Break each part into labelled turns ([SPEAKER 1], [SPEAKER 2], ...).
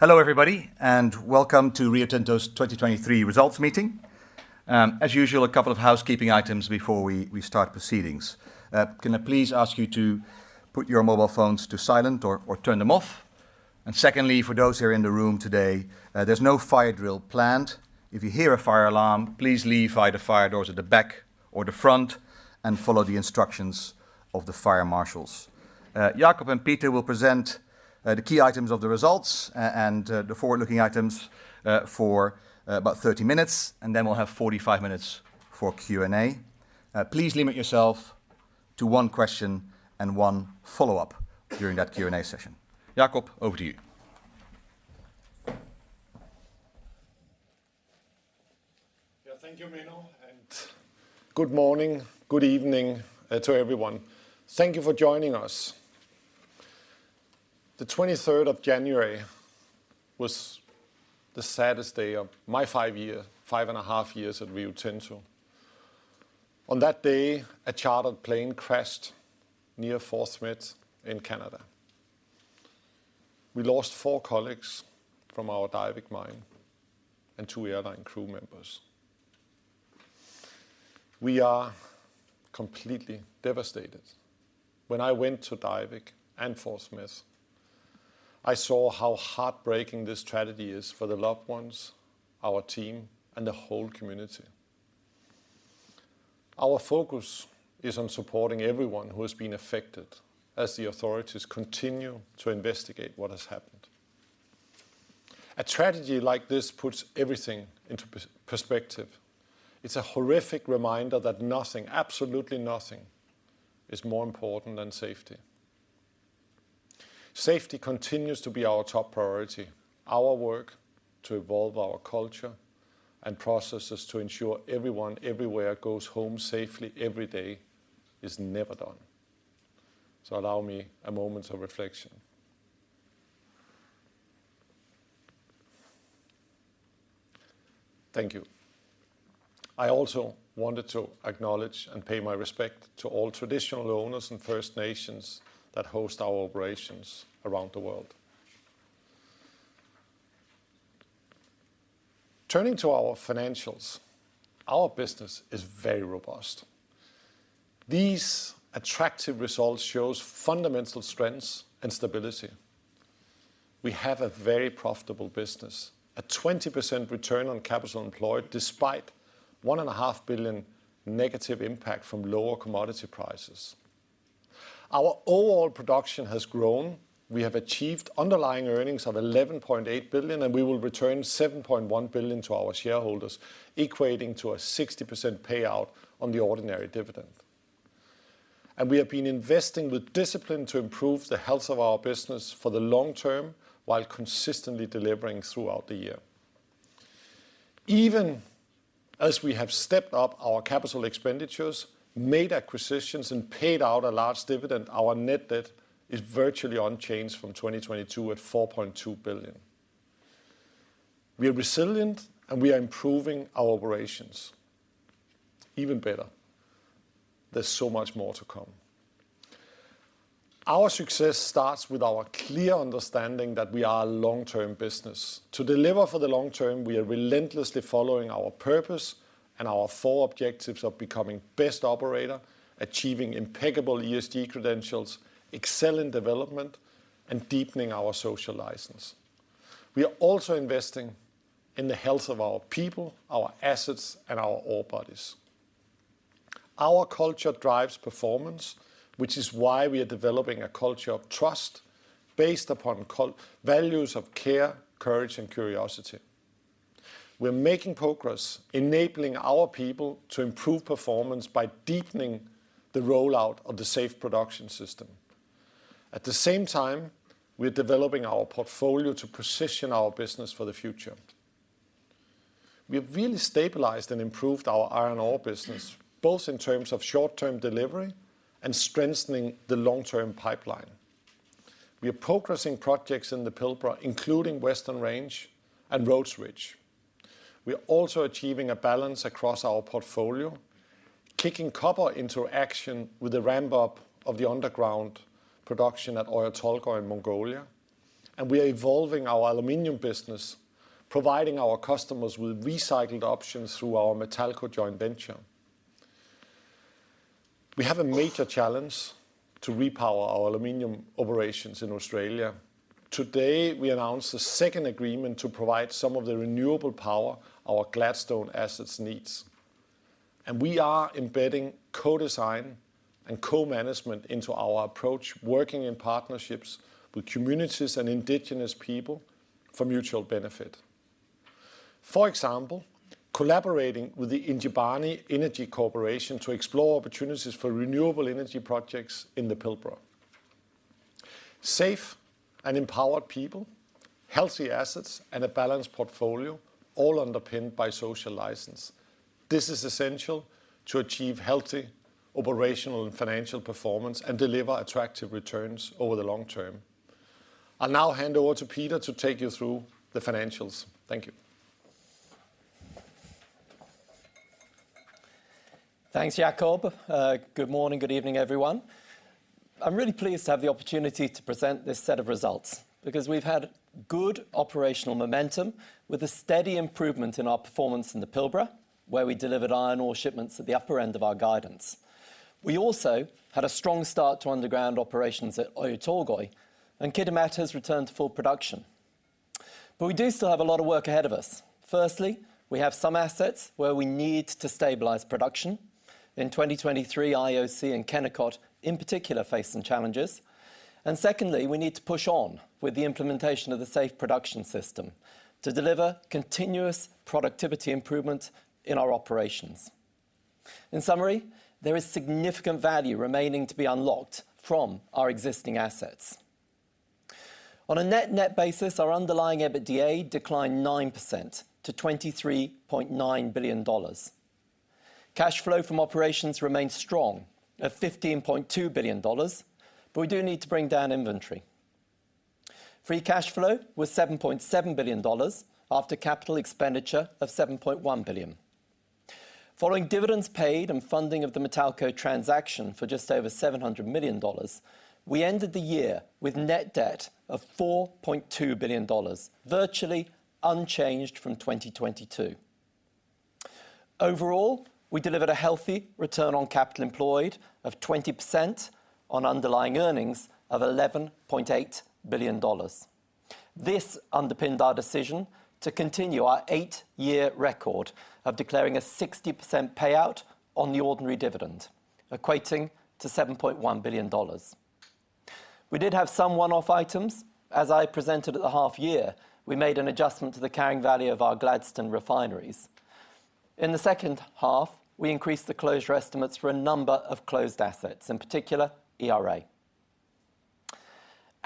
[SPEAKER 1] Hello everybody, and Welcome to Rio Tinto's 2023 Results Meeting. As usual, a couple of housekeeping items before we start proceedings. Can I please ask you to put your mobile phones to silent or turn them off? Secondly, for those here in the room today, there's no fire drill planned. If you hear a fire alarm, please leave either fire doors at the back or the front and follow the instructions of the fire marshals. Jakob and Peter will present the key items of the results and the forward-looking items for about 30 minutes, and then we'll have 45 minutes for Q&A. Please limit yourself to one question and one follow-up during that Q&A session. Jakob, over to you.
[SPEAKER 2] Thank you, Menno, and good morning, good evening to everyone. Thank you for joining us. The 23rd of January was the saddest day of my five and a half years at Rio Tinto. On that day, a chartered plane crashed near Fort Smith in Canada. We lost four colleagues from our Diavik mine and two airline crew members. We are completely devastated. When I went to Diavik and Fort Smith, I saw how heartbreaking this tragedy is for the loved ones, our team, and the whole community. Our focus is on supporting everyone who has been affected as the authorities continue to investigate what has happened. A tragedy like this puts everything into perspective. It's a horrific reminder that nothing, absolutely nothing, is more important than safety. Safety continues to be our top priority. Our work to evolve our culture and processes to ensure everyone everywhere goes home safely every day is never done. Allow me a moment of reflection. Thank you. I also wanted to acknowledge and pay my respect to all traditional owners and First Nations that host our operations around the world. Turning to our financials, our business is very robust. These attractive results show fundamental strengths and stability. We have a very profitable business, a 20% Return on Capital Employed despite $1.5 billion negative impact from lower commodity prices. Our overall production has grown. We have achieved underlying earnings of $11.8 billion, and we will return $7.1 billion to our shareholders, equating to a 60% payout on the ordinary dividend. We have been investing with discipline to improve the health of our business for the long term while consistently delivering throughout the year. Even as we have stepped up our capital expenditures, made acquisitions, and paid out a large dividend, our net debt is virtually unchanged from 2022 at $4.2 billion. We are resilient, and we are improving our operations. Even better, there's so much more to come. Our success starts with our clear understanding that we are a long-term business. To deliver for the long term, we are relentlessly following our purpose and our four objectives of becoming best operator, achieving impeccable ESG credentials, excellent development, and deepening our social license. We are also investing in the health of our people, our assets, and our ore bodies. Our culture drives performance, which is why we are developing a culture of trust based upon values of care, courage, and curiosity. We are making progress, enabling our people to improve performance by deepening the rollout of the safe production system. At the same time, we are developing our portfolio to position our business for the future. We have really stabilized and improved our iron ore business both in terms of short-term delivery and strengthening the long-term pipeline. We are progressing projects in the Pilbara including Western Range and Rhodes Ridge. We are also achieving a balance across our portfolio, kicking copper into action with the ramp-up of the underground production at Oyu Tolgoi in Mongolia, and we are evolving our aluminum business, providing our customers with recycled options through our Matalco joint venture. We have a major challenge to repower our aluminum operations in Australia. Today, we announced the second agreement to provide some of the renewable power our Gladstone assets need. We are embedding co-design and co-management into our approach, working in partnerships with communities and Indigenous people for mutual benefit. For example, collaborating with the Yindjibarndi Energy Corporation to explore opportunities for renewable energy projects in the Pilbara. Safe and empowered people, healthy assets, and a balanced portfolio, all underpinned by social license. This is essential to achieve healthy operational and financial performance and deliver attractive returns over the long term. I'll now hand over to Peter to take you through the financials. Thank you.
[SPEAKER 3] Thanks, Jakob. Good morning, good evening, everyone. I'm really pleased to have the opportunity to present this set of results because we've had good operational momentum with a steady improvement in our performance in the Pilbara where we delivered iron ore shipments at the upper end of our guidance. We also had a strong start to underground operations at Oyu Tolgoi, and Kitimat has returned to full production. But we do still have a lot of work ahead of us. Firstly, we have some assets where we need to stabilize production. In 2023, IOC and Kennecott in particular facing challenges. Secondly, we need to push on with the implementation of the Safe Production System to deliver continuous productivity improvement in our operations. In summary, there is significant value remaining to be unlocked from our existing assets. On a net-net basis, our underlying EBITDA declined 9% to $23.9 billion. Cash flow from operations remains strong at $15.2 billion, but we do need to bring down inventory. Free cash flow was $7.7 billion after capital expenditure of $7.1 billion. Following dividends paid and funding of the Matalco transaction for just over $700 million, we ended the year with net debt of $4.2 billion, virtually unchanged from 2022. Overall, we delivered a healthy return on capital employed of 20% on underlying earnings of $11.8 billion. This underpinned our decision to continue our eight-year record of declaring a 60% payout on the ordinary dividend, equating to $7.1 billion. We did have some one-off items. As I presented at the half-year, we made an adjustment to the carrying value of our Gladstone refineries. In the second half, we increased the closure estimates for a number of closed assets, in particular ERA.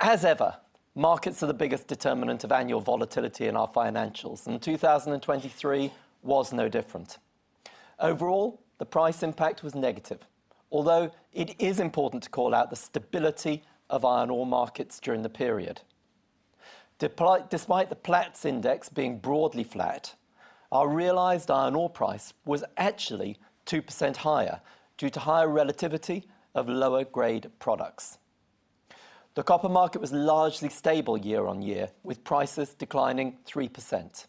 [SPEAKER 3] As ever, markets are the biggest determinant of annual volatility in our financials, and 2023 was no different. Overall, the price impact was negative, although it is important to call out the stability of iron ore markets during the period. Despite the Platts index being broadly flat, our realized iron ore price was actually 2% higher due to higher relativity of lower-grade products. The copper market was largely stable year-on-year, with prices declining 3%.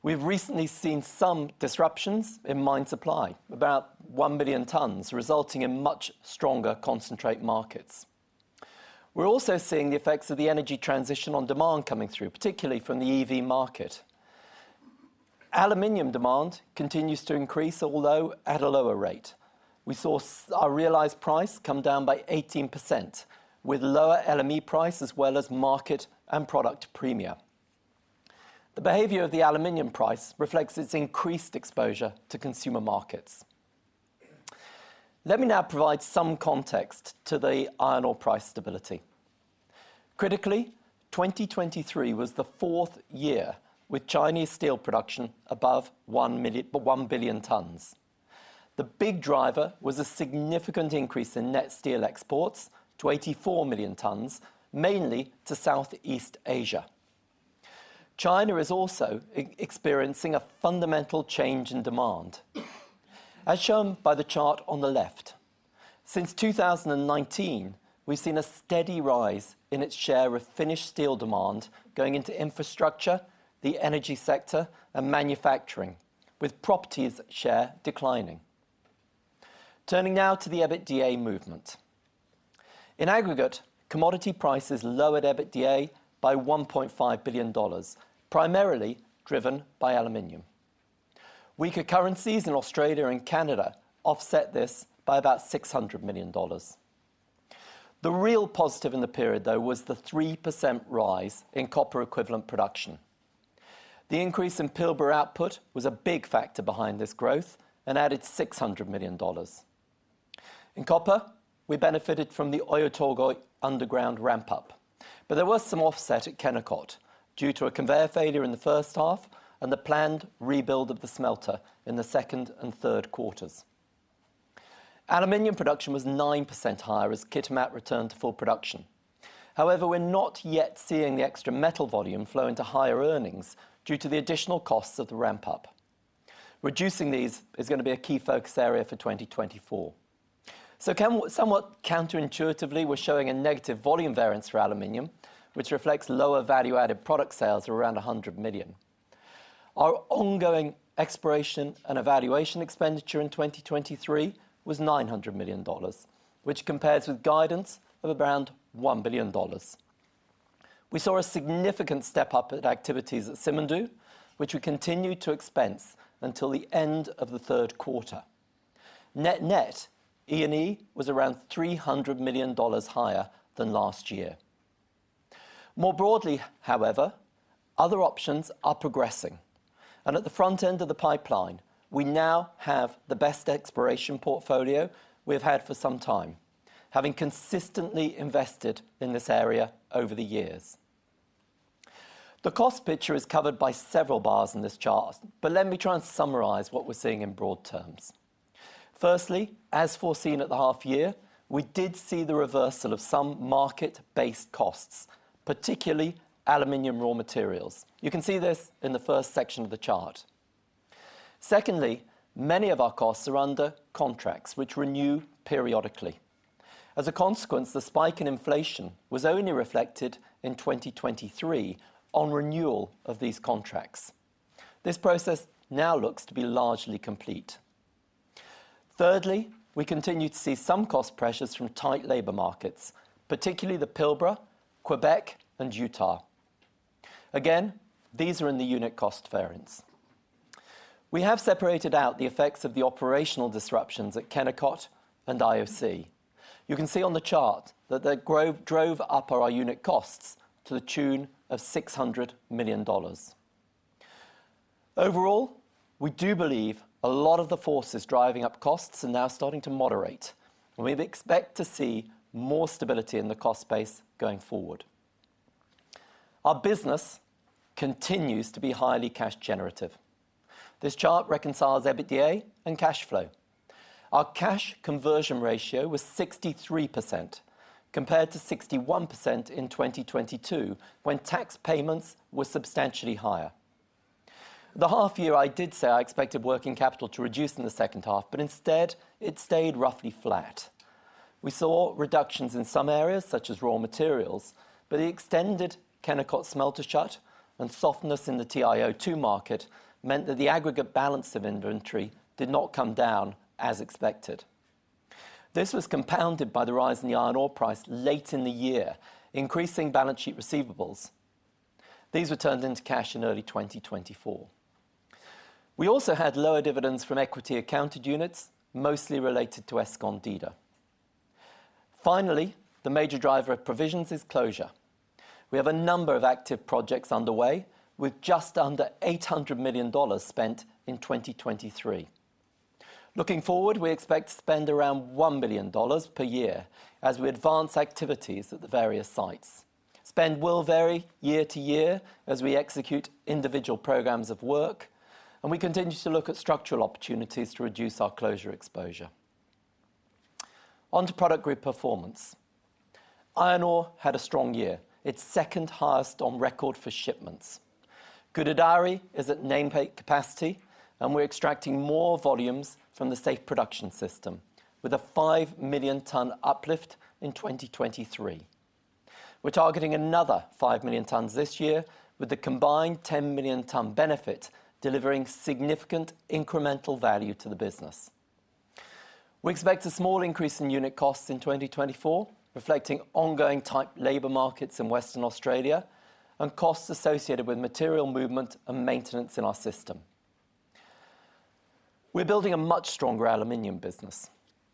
[SPEAKER 3] We've recently seen some disruptions in mine supply, about 1 million tons, resulting in much stronger concentrate markets. We're also seeing the effects of the energy transition on demand coming through, particularly from the EV market. Aluminum demand continues to increase, although at a lower rate. We saw our realized price come down by 18%, with lower LME price as well as market and product premium. The behavior of the aluminum price reflects its increased exposure to consumer markets. Let me now provide some context to the iron ore price stability. Critically, 2023 was the fourth year with Chinese steel production above 1 billion tons. The big driver was a significant increase in net steel exports to 84 million tons, mainly to Southeast Asia. China is also experiencing a fundamental change in demand, as shown by the chart on the left. Since 2019, we've seen a steady rise in its share of finished steel demand going into infrastructure, the energy sector, and manufacturing, with properties' share declining. Turning now to the EBITDA movement. In aggregate, commodity prices lowered EBITDA by $1.5 billion, primarily driven by aluminum. Weaker currencies in Australia and Canada offset this by about $600 million. The real positive in the period, though, was the 3% rise in copper equivalent production. The increase in Pilbara output was a big factor behind this growth and added $600 million. In copper, we benefited from the Oyu Tolgoi underground ramp-up, but there was some offset at Kennecott due to a conveyor failure in the first half and the planned rebuild of the smelter in the second and third quarters. Aluminum production was 9% higher as Kitimat returned to full production. However, we're not yet seeing the extra metal volume flow into higher earnings due to the additional costs of the ramp-up. Reducing these is going to be a key focus area for 2024. Somewhat counterintuitively, we're showing a negative volume variance for aluminum, which reflects lower value-added product sales of around $100 million. Our ongoing exploration and evaluation expenditure in 2023 was $900 million, which compares with guidance of around $1 billion. We saw a significant step-up in activities at Simandou, which we continue to expense until the end of the third quarter. Net-net, E&E was around $300 million higher than last year. More broadly, however, other options are progressing. At the front end of the pipeline, we now have the best exploration portfolio we've had for some time, having consistently invested in this area over the years. The cost picture is covered by several bars in this chart, but let me try and summarize what we're seeing in broad terms. Firstly, as foreseen at the half-year, we did see the reversal of some market-based costs, particularly aluminum raw materials. You can see this in the first section of the chart. Secondly, many of our costs are under contracts, which renew periodically. As a consequence, the spike in inflation was only reflected in 2023 on renewal of these contracts. This process now looks to be largely complete. Thirdly, we continue to see some cost pressures from tight labor markets, particularly the Pilbara, Quebec, and Utah. Again, these are in the unit cost variance. We have separated out the effects of the operational disruptions at Kennecott and IOC. You can see on the chart that they drove up our unit costs to the tune of $600 million. Overall, we do believe a lot of the forces driving up costs are now starting to moderate, and we expect to see more stability in the cost base going forward. Our business continues to be highly cash-generative. This chart reconciles EBITDA and cash flow. Our cash conversion ratio was 63% compared to 61% in 2022 when tax payments were substantially higher. The half-year, I did say I expected working capital to reduce in the second half, but instead, it stayed roughly flat. We saw reductions in some areas, such as raw materials, but the extended Kennecott smelter shut and softness in the TiO2 market meant that the aggregate balance of inventory did not come down as expected. This was compounded by the rise in the iron ore price late in the year, increasing balance sheet receivables. These were turned into cash in early 2024. We also had lower dividends from equity accounted units, mostly related to Escondida. Finally, the major driver of provisions is closure. We have a number of active projects underway with just under $800 million spent in 2023. Looking forward, we expect to spend around $1 billion per year as we advance activities at the various sites. Spend will vary year to year as we execute individual programs of work, and we continue to look at structural opportunities to reduce our closure exposure. Onto Product Group performance. Iron ore had a strong year, its second highest on record for shipments. Gudai-Dari is at nameplate capacity, and we're extracting more volumes from the Safe Production System with a 5 million-ton uplift in 2023. We're targeting another 5 million tons this year, with the combined 10 million-ton benefit delivering significant incremental value to the business. We expect a small increase in unit costs in 2024, reflecting ongoing tight labor markets in Western Australia and costs associated with material movement and maintenance in our system. We're building a much stronger aluminum business.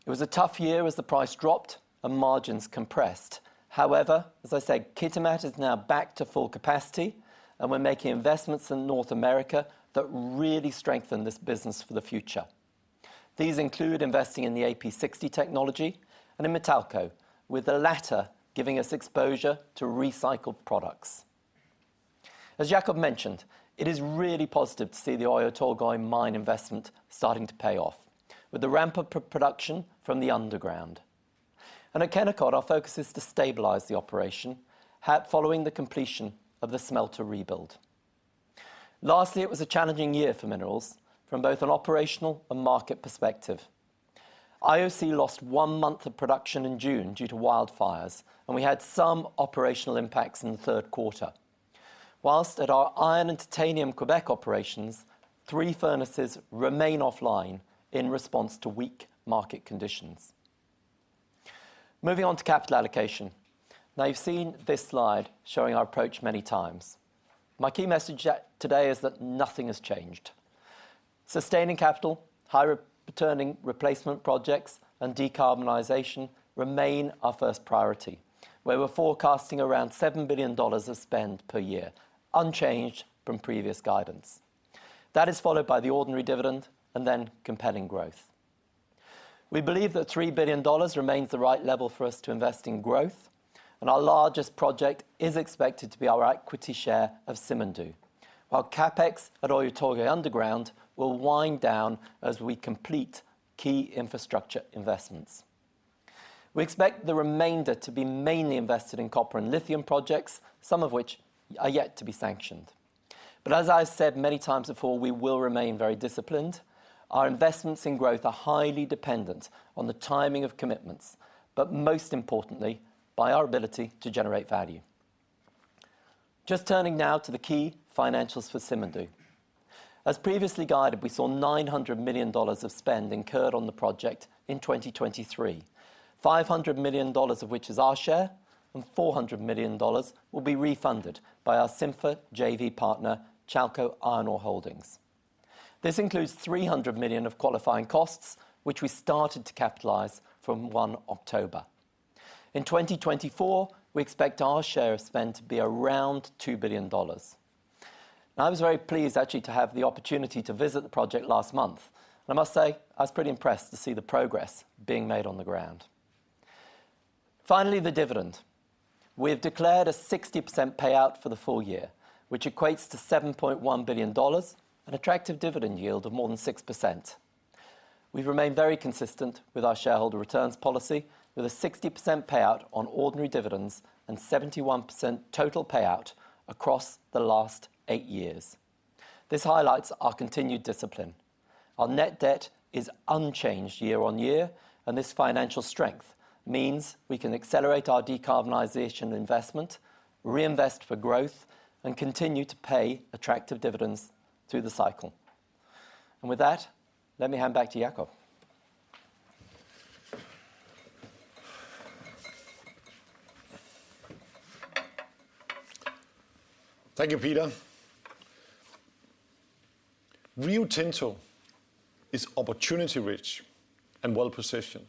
[SPEAKER 3] It was a tough year as the price dropped and margins compressed. However, as I said, Kitimat is now back to full capacity, and we're making investments in North America that really strengthen this business for the future. These include investing in the AP60 technology and in Matalco, with the latter giving us exposure to recycled products. As Jakob mentioned, it is really positive to see the Oyu Tolgoi mine investment starting to pay off with the ramp-up production from the underground. At Kennecott, our focus is to stabilize the operation following the completion of the smelter rebuild. Lastly, it was a challenging year for minerals from both an operational and market perspective. IOC lost one month of production in June due to wildfires, and we had some operational impacts in the third quarter, while at our iron and titanium Quebec operations, three furnaces remain offline in response to weak market conditions. Moving on to capital allocation. Now, you've seen this slide showing our approach many times. My key message today is that nothing has changed. Sustaining capital, high-returning replacement projects, and decarbonization remain our first priority, where we're forecasting around $7 billion of spend per year, unchanged from previous guidance. That is followed by the ordinary dividend and then compelling growth. We believe that $3 billion remains the right level for us to invest in growth, and our largest project is expected to be our equity share of Simandou, while CapEx at Oyu Tolgoi underground will wind down as we complete key infrastructure investments. We expect the remainder to be mainly invested in copper and lithium projects, some of which are yet to be sanctioned. But as I've said many times before, we will remain very disciplined. Our investments in growth are highly dependent on the timing of commitments, but most importantly, by our ability to generate value. Just turning now to the key financials for Simandou. As previously guided, we saw $900 million of spend incurred on the project in 2023, $500 million of which is our share, and $400 million will be refunded by our Simfer JV partner, Chalco Iron Ore Holdings. This includes $300 million of qualifying costs, which we started to capitalize from 1 October. In 2024, we expect our share of spend to be around $2 billion. I was very pleased, actually, to have the opportunity to visit the project last month, and I must say I was pretty impressed to see the progress being made on the ground. Finally, the dividend. We've declared a 60% payout for the full year, which equates to $7.1 billion, an attractive dividend yield of more than 6%. We've remained very consistent with our shareholder returns policy, with a 60% payout on ordinary dividends and 71% total payout across the last eight years. This highlights our continued discipline. Our net debt is unchanged year on year, and this financial strength means we can accelerate our decarbonization investment, reinvest for growth, and continue to pay attractive dividends through the cycle. With that, let me hand back to Jakob.
[SPEAKER 2] Thank you, Peter. Rio Tinto is opportunity-rich and well-positioned.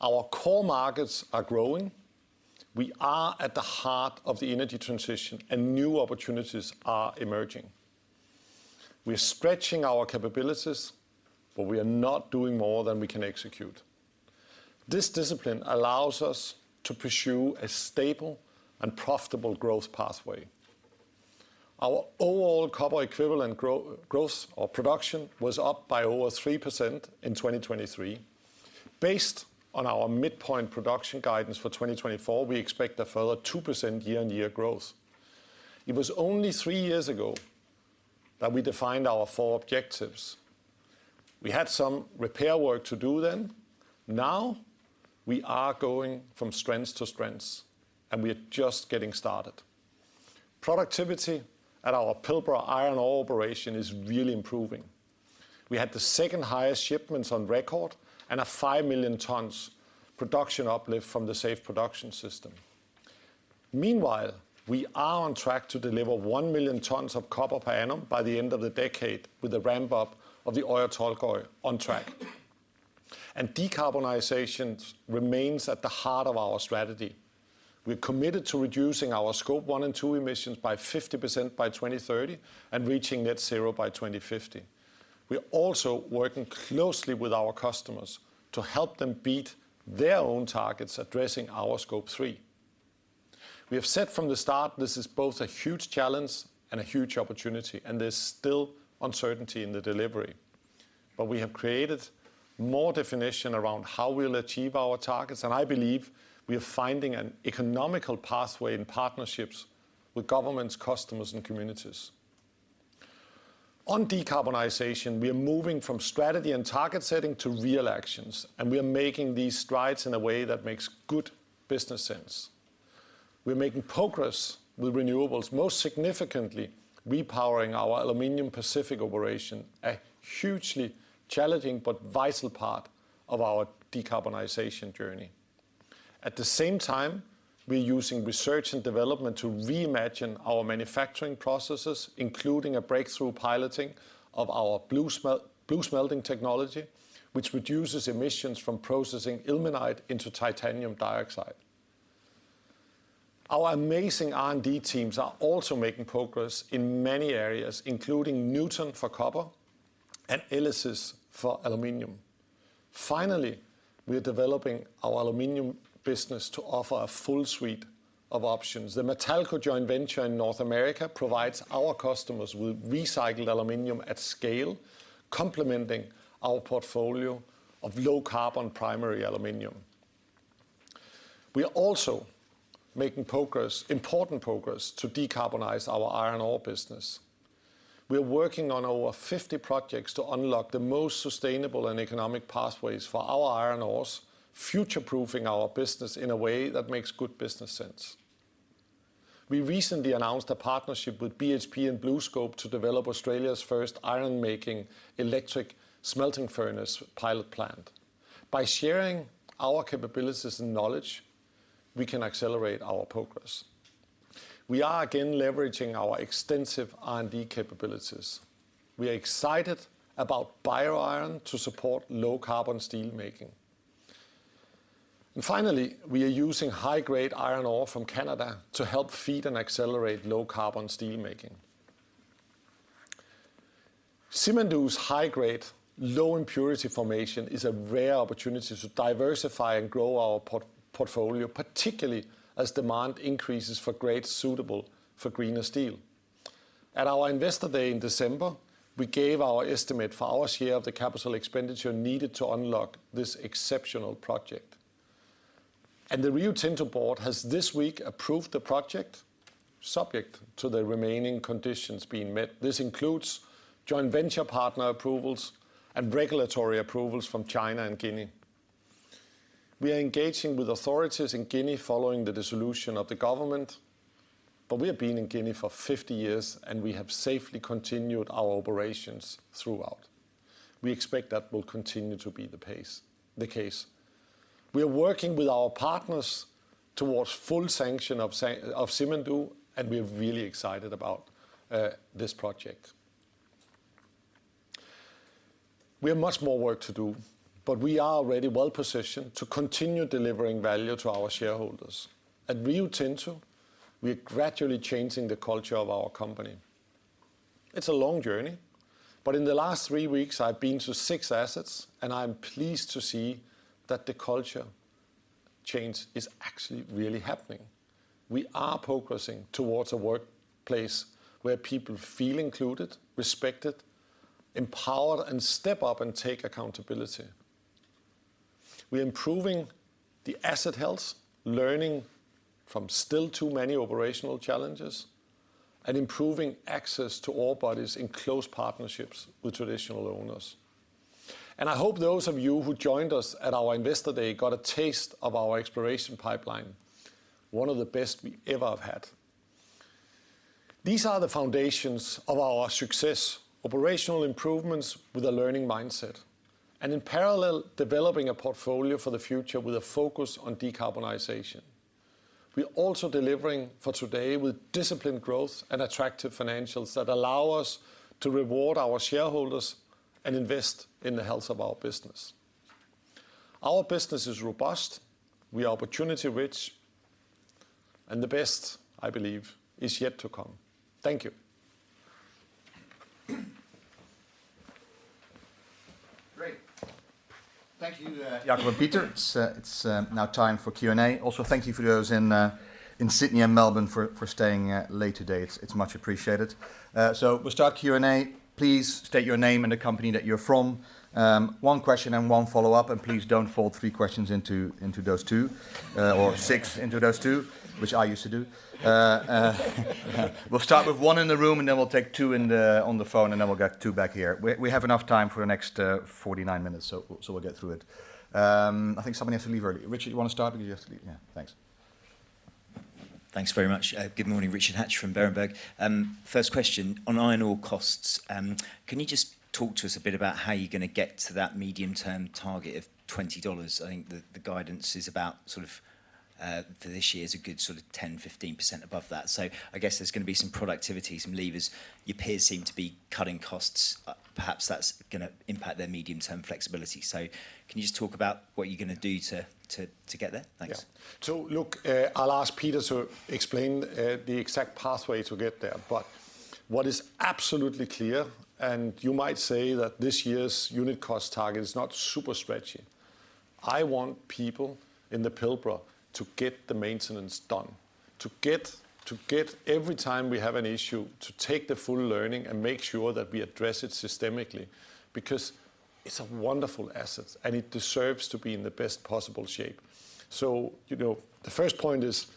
[SPEAKER 2] Our core markets are growing. We are at the heart of the energy transition, and new opportunities are emerging. We are stretching our capabilities, but we are not doing more than we can execute. This discipline allows us to pursue a stable and profitable growth pathway. Our overall copper equivalent growth or production was up by over 3% in 2023. Based on our midpoint production guidance for 2024, we expect a further 2% year-on-year growth. It was only 3 years ago that we defined our for objectives. We had some repair work to do then. Now, we are going from strength to strength, and we are just getting started. Productivity at our Pilbara iron ore operation is really improving. We had the second highest shipments on record and a 5 million tons production uplift from the Safe Production System. Meanwhile, we are on track to deliver 1 million tons of copper per annum by the end of the decade, with the ramp-up of the Oyu Tolgoi on track. Decarbonization remains at the heart of our strategy. We are committed to reducing our Scope 1 and 2 emissions by 50% by 2030 and reaching net zero by 2050. We are also working closely with our customers to help them beat their own targets addressing our Scope 3. We have said from the start this is both a huge challenge and a huge opportunity, and there's still uncertainty in the delivery. But we have created more definition around how we'll achieve our targets, and I believe we are finding an economical pathway in partnerships with governments, customers, and communities. On decarbonization, we are moving from strategy and target setting to real actions, and we are making these strides in a way that makes good business sense. We are making progress with renewables, most significantly repowering our Pacific Aluminium operation, a hugely challenging but vital part of our decarbonization journey. At the same time, we are using research and development to reimagine our manufacturing processes, including a breakthrough piloting of our BlueSmelting technology, which reduces emissions from processing ilmenite into titanium dioxide. Our amazing R&D teams are also making progress in many areas, including Nuton for copper and ELYSIS for aluminum. Finally, we are developing our aluminum business to offer a full suite of options. The Matalco joint venture in North America provides our customers with recycled aluminum at scale, complementing our portfolio of low-carbon primary aluminum. We are also making important progress to decarbonize our iron ore business. We are working on over 50 projects to unlock the most sustainable and economic pathways for our iron ores, future-proofing our business in a way that makes good business sense. We recently announced a partnership with BHP and BlueScope to develop Australia's first iron-making electric smelting furnace pilot plant. By sharing our capabilities and knowledge, we can accelerate our progress. We are again leveraging our extensive R&D capabilities. We are excited about BioIron to support low-carbon steelmaking. Finally, we are using high-grade iron ore from Canada to help feed and accelerate low-carbon steelmaking. Simandou's high-grade, low-impurity formation is a rare opportunity to diversify and grow our portfolio, particularly as demand increases for grades suitable for greener steel. At our investor day in December, we gave our estimate for our share of the capital expenditure needed to unlock this exceptional project. The Rio Tinto board has this week approved the project, subject to the remaining conditions being met. This includes joint venture partner approvals and regulatory approvals from China and Guinea. We are engaging with authorities in Guinea following the dissolution of the government, but we have been in Guinea for 50 years, and we have safely continued our operations throughout. We expect that will continue to be the case. We are working with our partners towards full sanction of Simandou, and we are really excited about this project. We have much more work to do, but we are already well-positioned to continue delivering value to our shareholders. At Rio Tinto, we are gradually changing the culture of our company. It's a long journey, but in the last three weeks, I have been to six assets, and I am pleased to see that the culture change is actually really happening. We are progressing towards a workplace where people feel included, respected, empowered, and step up and take accountability. We are improving the asset health, learning from still too many operational challenges, and improving access to ore bodies in close partnerships with traditional owners. I hope those of you who joined us at our investor day got a taste of our exploration pipeline, one of the best we ever have had. These are the foundations of our success: operational improvements with a learning mindset, and in parallel, developing a portfolio for the future with a focus on decarbonization. We are also delivering for today with disciplined growth and attractive financials that allow us to reward our shareholders and invest in the health of our business. Our business is robust, we are opportunity-rich, and the best, I believe, is yet to come. Thank you.
[SPEAKER 1] Great. Thank you, Jakob and Peter. It's now time for Q&A. Also, thank you for those in Sydney and Melbourne for staying late today. It's much appreciated. We'll start Q&A. Please state your name and the company that you're from. One question and one follow-up, and please don't fold three questions into those two, or six into those two, which I used to do. We'll start with one in the room, and then we'll take two on the phone, and then we'll get two back here. We have enough time for the next 49 minutes, so we'll get through it. I think somebody has to leave early. Richard, do you want to start?
[SPEAKER 4] Thanks. Thanks very much. Good morning, Richard Hatch from Berenberg. First question: on iron ore costs, can you just talk to us a bit about how you're going to get to that medium-term target of $20? I think the guidance is about, sort of for this year, is a good sort of 10%-15% above that. I guess there's going to be some productivity, some levers. Your peers seem to be cutting costs. Perhaps that's going to impact their medium-term flexibility. Can you just talk about what you're going to do to get there? Thanks.
[SPEAKER 2] Look, I'll ask Peter to explain the exact pathway to get there. But what is absolutely clear, and you might say that this year's unit cost target is not super stretchy. I want people in the Pilbara to get the maintenance done, to get every time we have an issue to take the full learning and make sure that we address it systemically, because it's a wonderful asset and it deserves to be in the best possible shape. So you know the first point is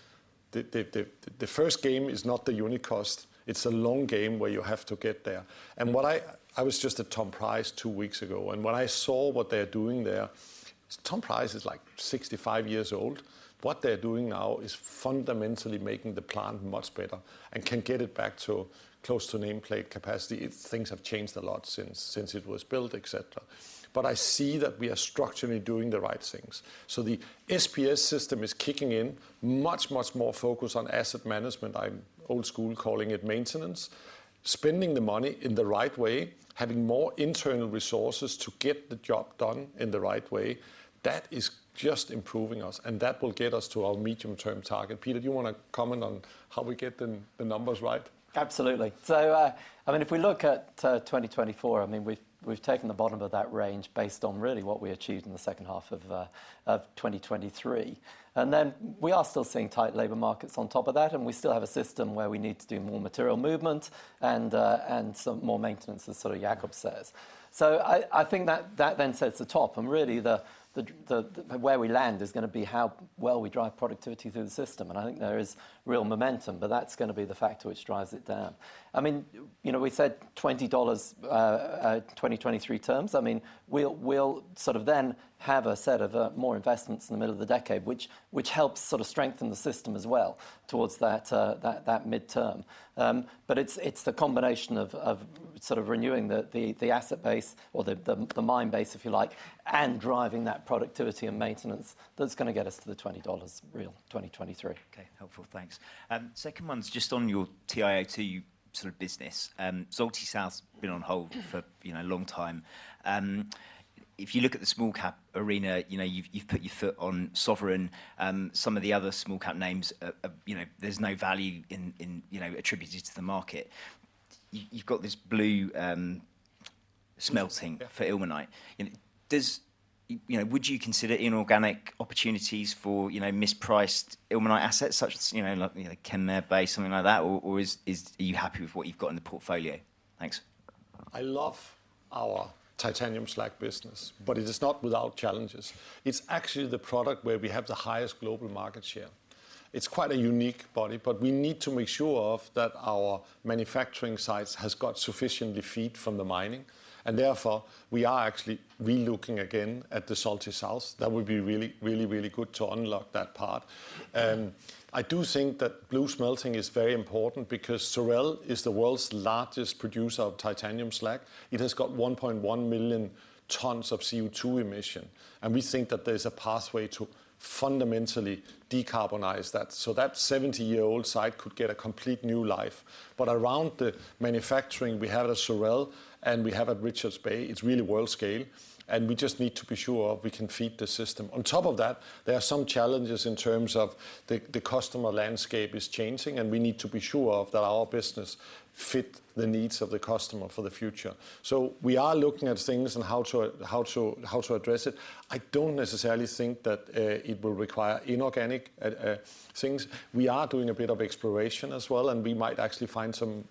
[SPEAKER 2] the first game is not the unit cost. It's a long game where you have to get there. And what I was just at Tom Price two weeks ago, and when I saw what they're doing there, Tom Price is like 65 years old. What they're doing now is fundamentally making the plant much better and can get it back to close to nameplate capacity. Things have changed a lot since it was built, etc. But I see that we are structurally doing the right things. So the SPS system is kicking in, much, much more focus on asset management. I'm old-school calling it maintenance, spending the money in the right way, having more internal resources to get the job done in the right way. That is just improving us, and that will get us to our medium-term target. Peter, do you want to comment on how we get the numbers right?
[SPEAKER 3] Absolutely. So I mean if we look at 2024, I mean we've taken the bottom of that range based on really what we achieved in the second half of 2023. Then we are still seeing tight labor markets on top of that, and we still have a system where we need to do more material movement and some more maintenance, as sort of Jakob says. So I think that then sets the top, and really where we land is going to be how well we drive productivity through the system. I think there is real momentum, but that's going to be the factor which drives it down. I mean you know we said $20, 2023 terms. I mean we'll sort of then have a set of more investments in the middle of the decade, which helps sort of strengthen the system as well towards that midterm. But it's the combination of sort of renewing the asset base or the mine base, if you like, and driving that productivity and maintenance that's going to get us to the $20 real 2023.
[SPEAKER 4] Okay, helpful. Thanks. Second one's just on your TiO₂ sort of business. Sorel has been on hold for you know a long time. If you look at the small-cap arena, you know you've put your foot on Sovereign. Some of the other small-cap names, you know there's no value in you know attributed to the market. You've got this Blue Smelting for ilmenite. Would you consider inorganic opportunities for you know mispriced ilmenite assets, such as you know like Kenmare, something like that? Or are you happy with what you've got in the portfolio? Thanks.
[SPEAKER 2] I love our titanium slag business, but it is not without challenges. It's actually the product where we have the highest global market share. It's quite a unique body, but we need to make sure that our manufacturing sites have got sufficiently feed from the mining. Therefore, we are actually relooking again at the Zulti South. That would be really, really, really good to unlock that part. I do think that Blue Smelting is very important because Sorel is the world's largest producer of titanium slag. It has got 1.1 million tons of CO₂ emission, and we think that there's a pathway to fundamentally decarbonize that. So that 70-year-old site could get a complete new life. But around the manufacturing, we have at Sorel and we have at Richards Bay, it's really world-scale, and we just need to be sure we can feed the system. On top of that, there are some challenges in terms of the customer landscape is changing, and we need to be sure that our business fits the needs of the customer for the future. So we are looking at things and how to how to address it. I don't necessarily think that it will require inorganic things. We are doing a bit of exploration as well, and we might actually find some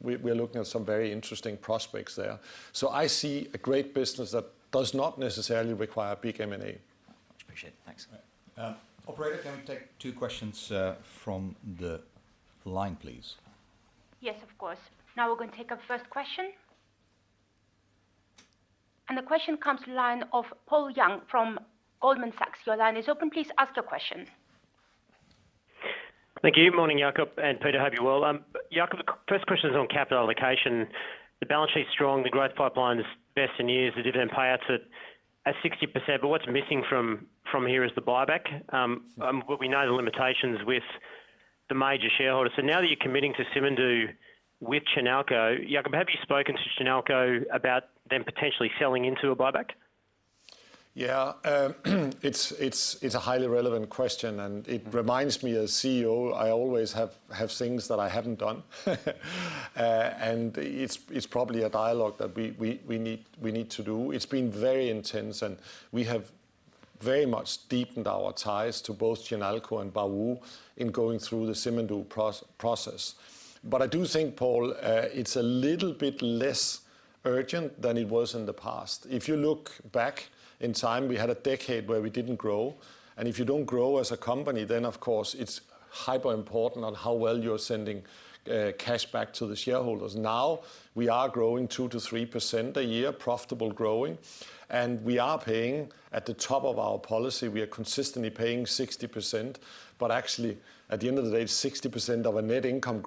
[SPEAKER 2] we're looking at some very interesting prospects there. So I see a great business that does not necessarily require big M&A.
[SPEAKER 4] Appreciate it. Thanks.
[SPEAKER 1] Operator, can we take two questions from the line, please?
[SPEAKER 5] Yes, of course. Now we're going to take our first question. And the question comes to the line of Paul Young from Goldman Sachs. Your line is open. Please ask your question.
[SPEAKER 6] Thank you. Good morning, Jakob. And Peter, hope you're well. Jakob, the first question is on capital allocation. The balance sheet's strong. The growth pipeline is best in years. The dividend payouts are at 60%. But what's missing from here is the buyback. But we know the limitations with the major shareholders. So now that you're committing to Simandou with Chinalco, Jakob, have you spoken to Chinalco about them potentially selling into a buyback?
[SPEAKER 2] Yeah, it's a highly relevant question, and it reminds me, as CEO, I always have things that I haven't done. And it's probably a dialogue that we need to do. It's been very intense, and we have very much deepened our ties to both Chinalco and Baowu in going through the Simandou process. But I do think, Paul, it's a little bit less urgent than it was in the past. If you look back in time, we had a decade where we didn't grow. And if you don't grow as a company, then of course it's hyper-important on how well you're sending cash back to the shareholders. Now we are growing 2-3% a year, profitable growing. And we are paying, at the top of our policy, we are consistently paying 60%. But actually, at the end of the day, it's 60% of a net income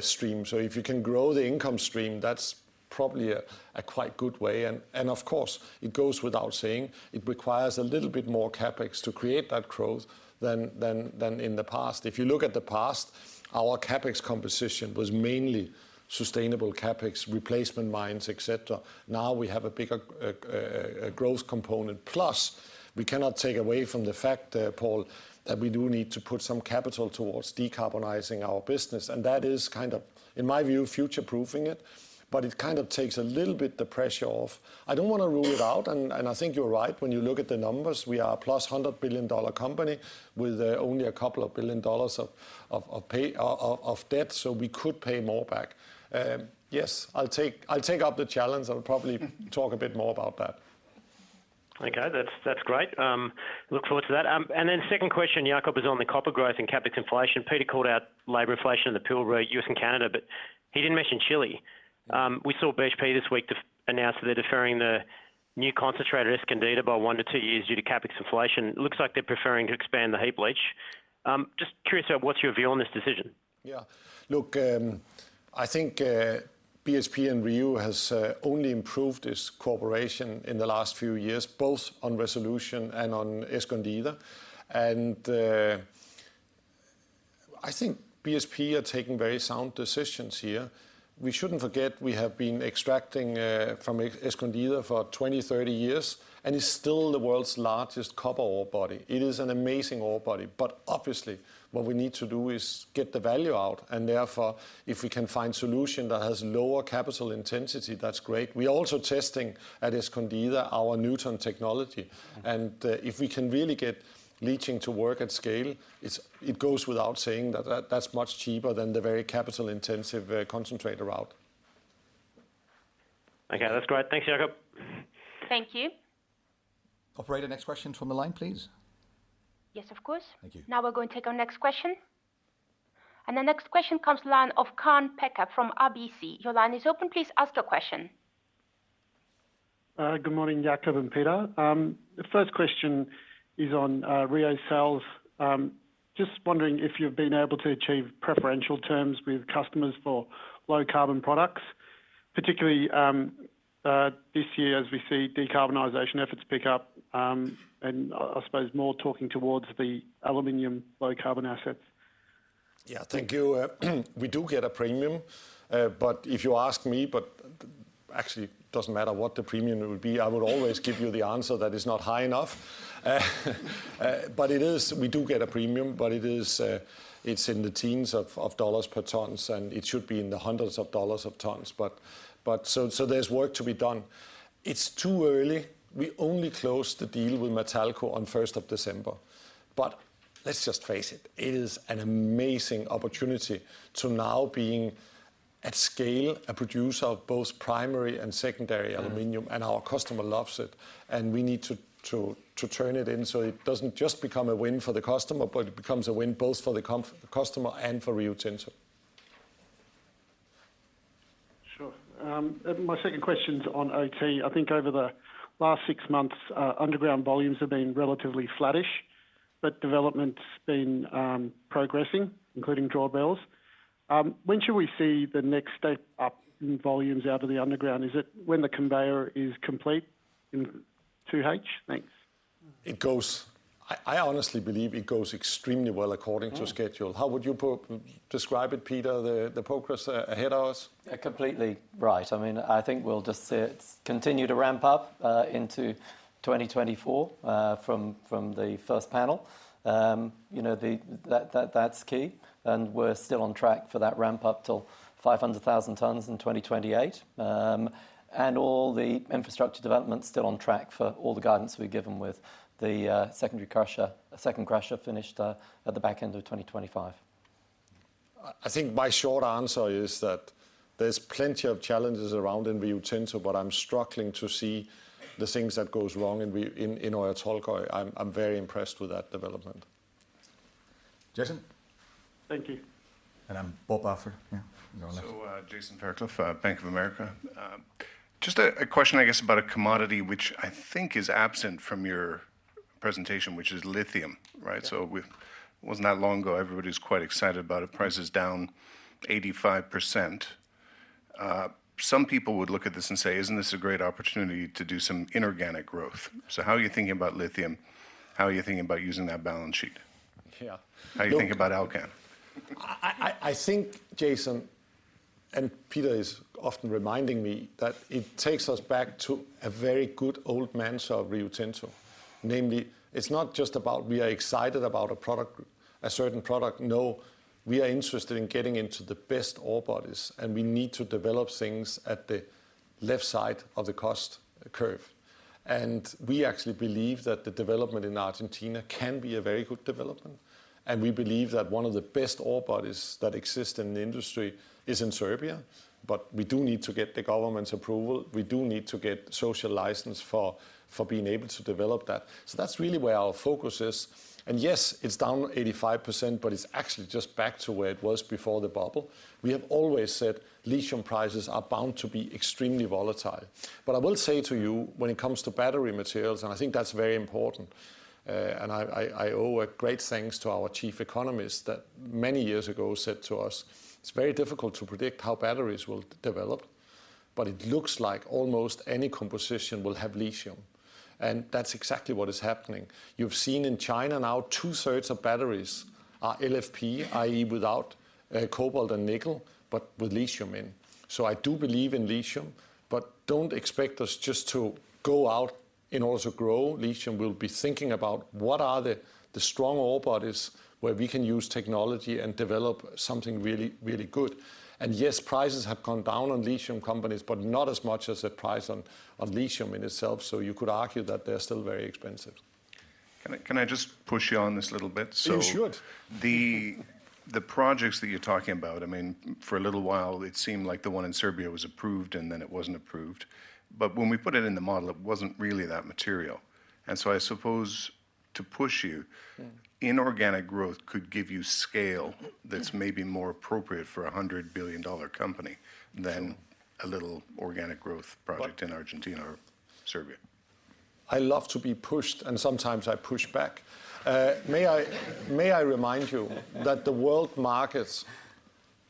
[SPEAKER 2] stream. So if you can grow the income stream, that's probably a quite good way. And of course, it goes without saying, it requires a little bit more CapEx to create that growth than in the past. If you look at the past, our CapEx composition was mainly sustainable CapEx, replacement mines, etc. Now we have a bigger growth component. Plus, we cannot take away from the fact, Paul, that we do need to put some capital towards decarbonizing our business. That is kind of, in my view, future-proofing it. But it kind of takes a little bit the pressure off. I don't want to rule it out, and I think you're right. When you look at the numbers, we are a plus $100 billion company with only a couple of billion dollars of debt, so we could pay more back. Yes, I'll take up the challenge. I'll probably talk a bit more about that.
[SPEAKER 6] Okay, that's great. Look forward to that. Then second question, Jakob, is on the copper growth and CapEx inflation. Peter called out labour inflation in the Pilbara, US and Canada, but he didn't mention Chile. We saw BHP this week announce that they're deferring the new concentrator Escondida by 1-2 years due to CapEx inflation. Looks like they're preferring to expand the heap leach. Just curious about what's your view on this decision?
[SPEAKER 2] Yeah, look, I think BHP and Rio has only improved its cooperation in the last few years, both on resolution and on Escondida. And I think BHP are taking very sound decisions here. We shouldn't forget we have been extracting from Escondida for 20-30 years, and it's still the world's largest copper ore body. It is an amazing ore body. But obviously, what we need to do is get the value out. And therefore, if we can find a solution that has lower capital intensity, that's great. We're also testing at Escondida our Nuton technology. And if we can really get leaching to work at scale, it goes without saying that that's much cheaper than the very capital-intensive concentrator route.
[SPEAKER 6] Okay, that's great. Thanks, Jakob.
[SPEAKER 5] Thank you.
[SPEAKER 1] Operator, next question from the line, please.
[SPEAKER 5] Yes, of course. Thank you. Now we're going to take our next question. The next question comes to the line of Kaan Peker from RBC. Your line is open. Please ask your question.
[SPEAKER 7] Good morning, Jakob and Peter. The first question is on Rio Sales. Just wondering if you've been able to achieve preferential terms with customers for low-carbon products, particularly this year as we see decarbonization efforts pick up, and I suppose more talking towards the aluminum low-carbon assets?
[SPEAKER 2] Yeah, thank you. We do get a premium. But if you ask me, but actually it doesn't matter what the premium it would be, I would always give you the answer that it's not high enough. But it is, we do get a premium, but it is it's in the teens of dollars per tons, and it should be in the hundreds of dollars per tons. But so there's work to be done. It's too early. We only closed the deal with Matalco on 1st of December. But let's just face it, it is an amazing opportunity to now be at scale, a producer of both primary and secondary aluminum, and our customer loves it. And we need to turn it in so it doesn't just become a win for the customer, but it becomes a win both for the customer and for Rio Tinto.
[SPEAKER 7] Sure. My second question's on OT. I think over the last six months, underground volumes have been relatively flattish, but development's been progressing, including drawbells. When should we see the next step up in volumes out of the underground? Is it when the conveyor is complete in 2H? Thanks.
[SPEAKER 2] It goes. I honestly believe it goes extremely well according to schedule. How would you describe it, Peter, the progress ahead of us?
[SPEAKER 3] Completely right. I mean, I think we'll just see it continue to ramp up into 2024 from the first panel. You know, that's key. And we're still on track for that ramp up till 500,000 tons in 2028. And all the infrastructure development's still on track for all the guidance we've given with the secondary crusher second finished at the back end of 2025.
[SPEAKER 2] I think my short answer is that there's plenty of challenges around in Rio Tinto, but I'm struggling to see the things that go wrong in Oyu Tolgoi. I'm very impressed with that development. Jason?
[SPEAKER 1] Thank you. And on Bob Brackett. Yeah, you're on left.
[SPEAKER 8] So Jason Fairclough, Bank of America. Just a question, I guess, about a commodity which I think is absent from your presentation, which is lithium. Right? So it wasn't that long ago. Everybody's quite excited about it. Price is down 85%. Some people would look at this and say, "Isn't this a great opportunity to do some inorganic growth?" So how are you thinking about lithium? How are you thinking about using that balance sheet?
[SPEAKER 2] Yeah.
[SPEAKER 8] How do you think about Alcan?
[SPEAKER 2] I think, Jason, and Peter is often reminding me that it takes us back to a very good old mantra of Rio Tinto. Namely, it's not just about we are excited about a product a certain product. No, we are interested in getting into the best ore bodies, and we need to develop things at the left side of the cost curve. And we actually believe that the development in Argentina can be a very good development. We believe that one of the best ore bodies that exist in the industry is in Serbia. But we do need to get the government's approval. We do need to get social license for being able to develop that. That's really where our focus is. Yes, it's down 85%, but it's actually just back to where it was before the bubble. We have always said lithium prices are bound to be extremely volatile. I will say to you, when it comes to battery materials, and I think that's very important, and I owe a great thanks to our chief economist that many years ago said to us, "It's very difficult to predict how batteries will develop, but it looks like almost any composition will have lithium." That's exactly what is happening. You've seen in China now two-thirds of batteries are LFP, i.e., without cobalt and nickel, but with lithium in. So I do believe in lithium, but don't expect us just to go out in order to grow. Lithium will be thinking about what are the strong ore bodies where we can use technology and develop something really, really good. And yes, prices have gone down on lithium companies, but not as much as the price on lithium in itself. So you could argue that they're still very expensive.
[SPEAKER 8] Can I just push you on this little bit?
[SPEAKER 2] So you should.
[SPEAKER 8] The projects that you're talking about, I mean, for a little while, it seemed like the one in Serbia was approved and then it wasn't approved. But when we put it in the model, it wasn't really that material. And so I suppose to push you, inorganic growth could give you scale that's maybe more appropriate for a $100 billion company than a little organic growth project in Argentina or Serbia.
[SPEAKER 2] I love to be pushed, and sometimes I push back. May I, may I remind you that the world market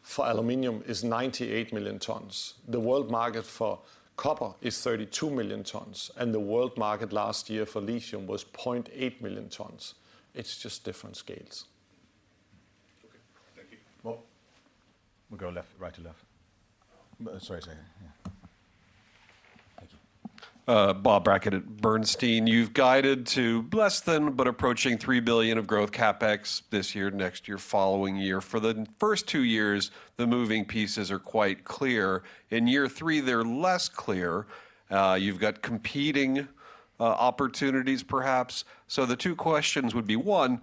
[SPEAKER 2] for aluminum is 98 million tons? The world market for copper is 32 million tons, and the world market last year for lithium was 0.8 million tons. It's just different scales.
[SPEAKER 8] Okay, thank you.
[SPEAKER 1] Bob? We'll go left, right to left. Sorry, sorry. Yeah, thank you.
[SPEAKER 9] Bob Brackett at Bernstein. You've guided to less than but approaching $3 billion of growth CapEx this year, next year, following year. For the first two years, the moving pieces are quite clear. In year three, they're less clear. You've got competing opportunities, perhaps. So the two questions would be, one,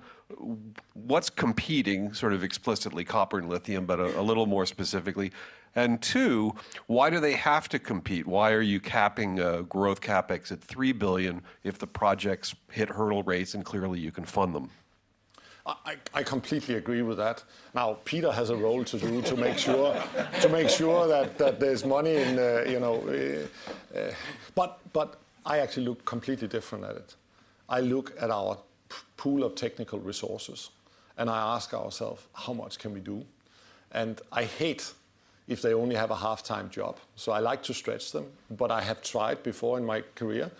[SPEAKER 9] what's competing, sort of explicitly copper and lithium, but a little more specifically? And two, why do they have to compete? Why are you capping a growth CapEx at $3 billion if the projects hit hurdle rates and clearly you can fund them?
[SPEAKER 2] I completely agree with that. Now, Peter has a role to do to make sure that there's money in, you know... but I actually look completely different at it. I look at our pool of technical resources, and I ask ourselves, "How much can we do?" And I hate if they only have a half-time job. So I like to stretch them, but I have tried before in my career,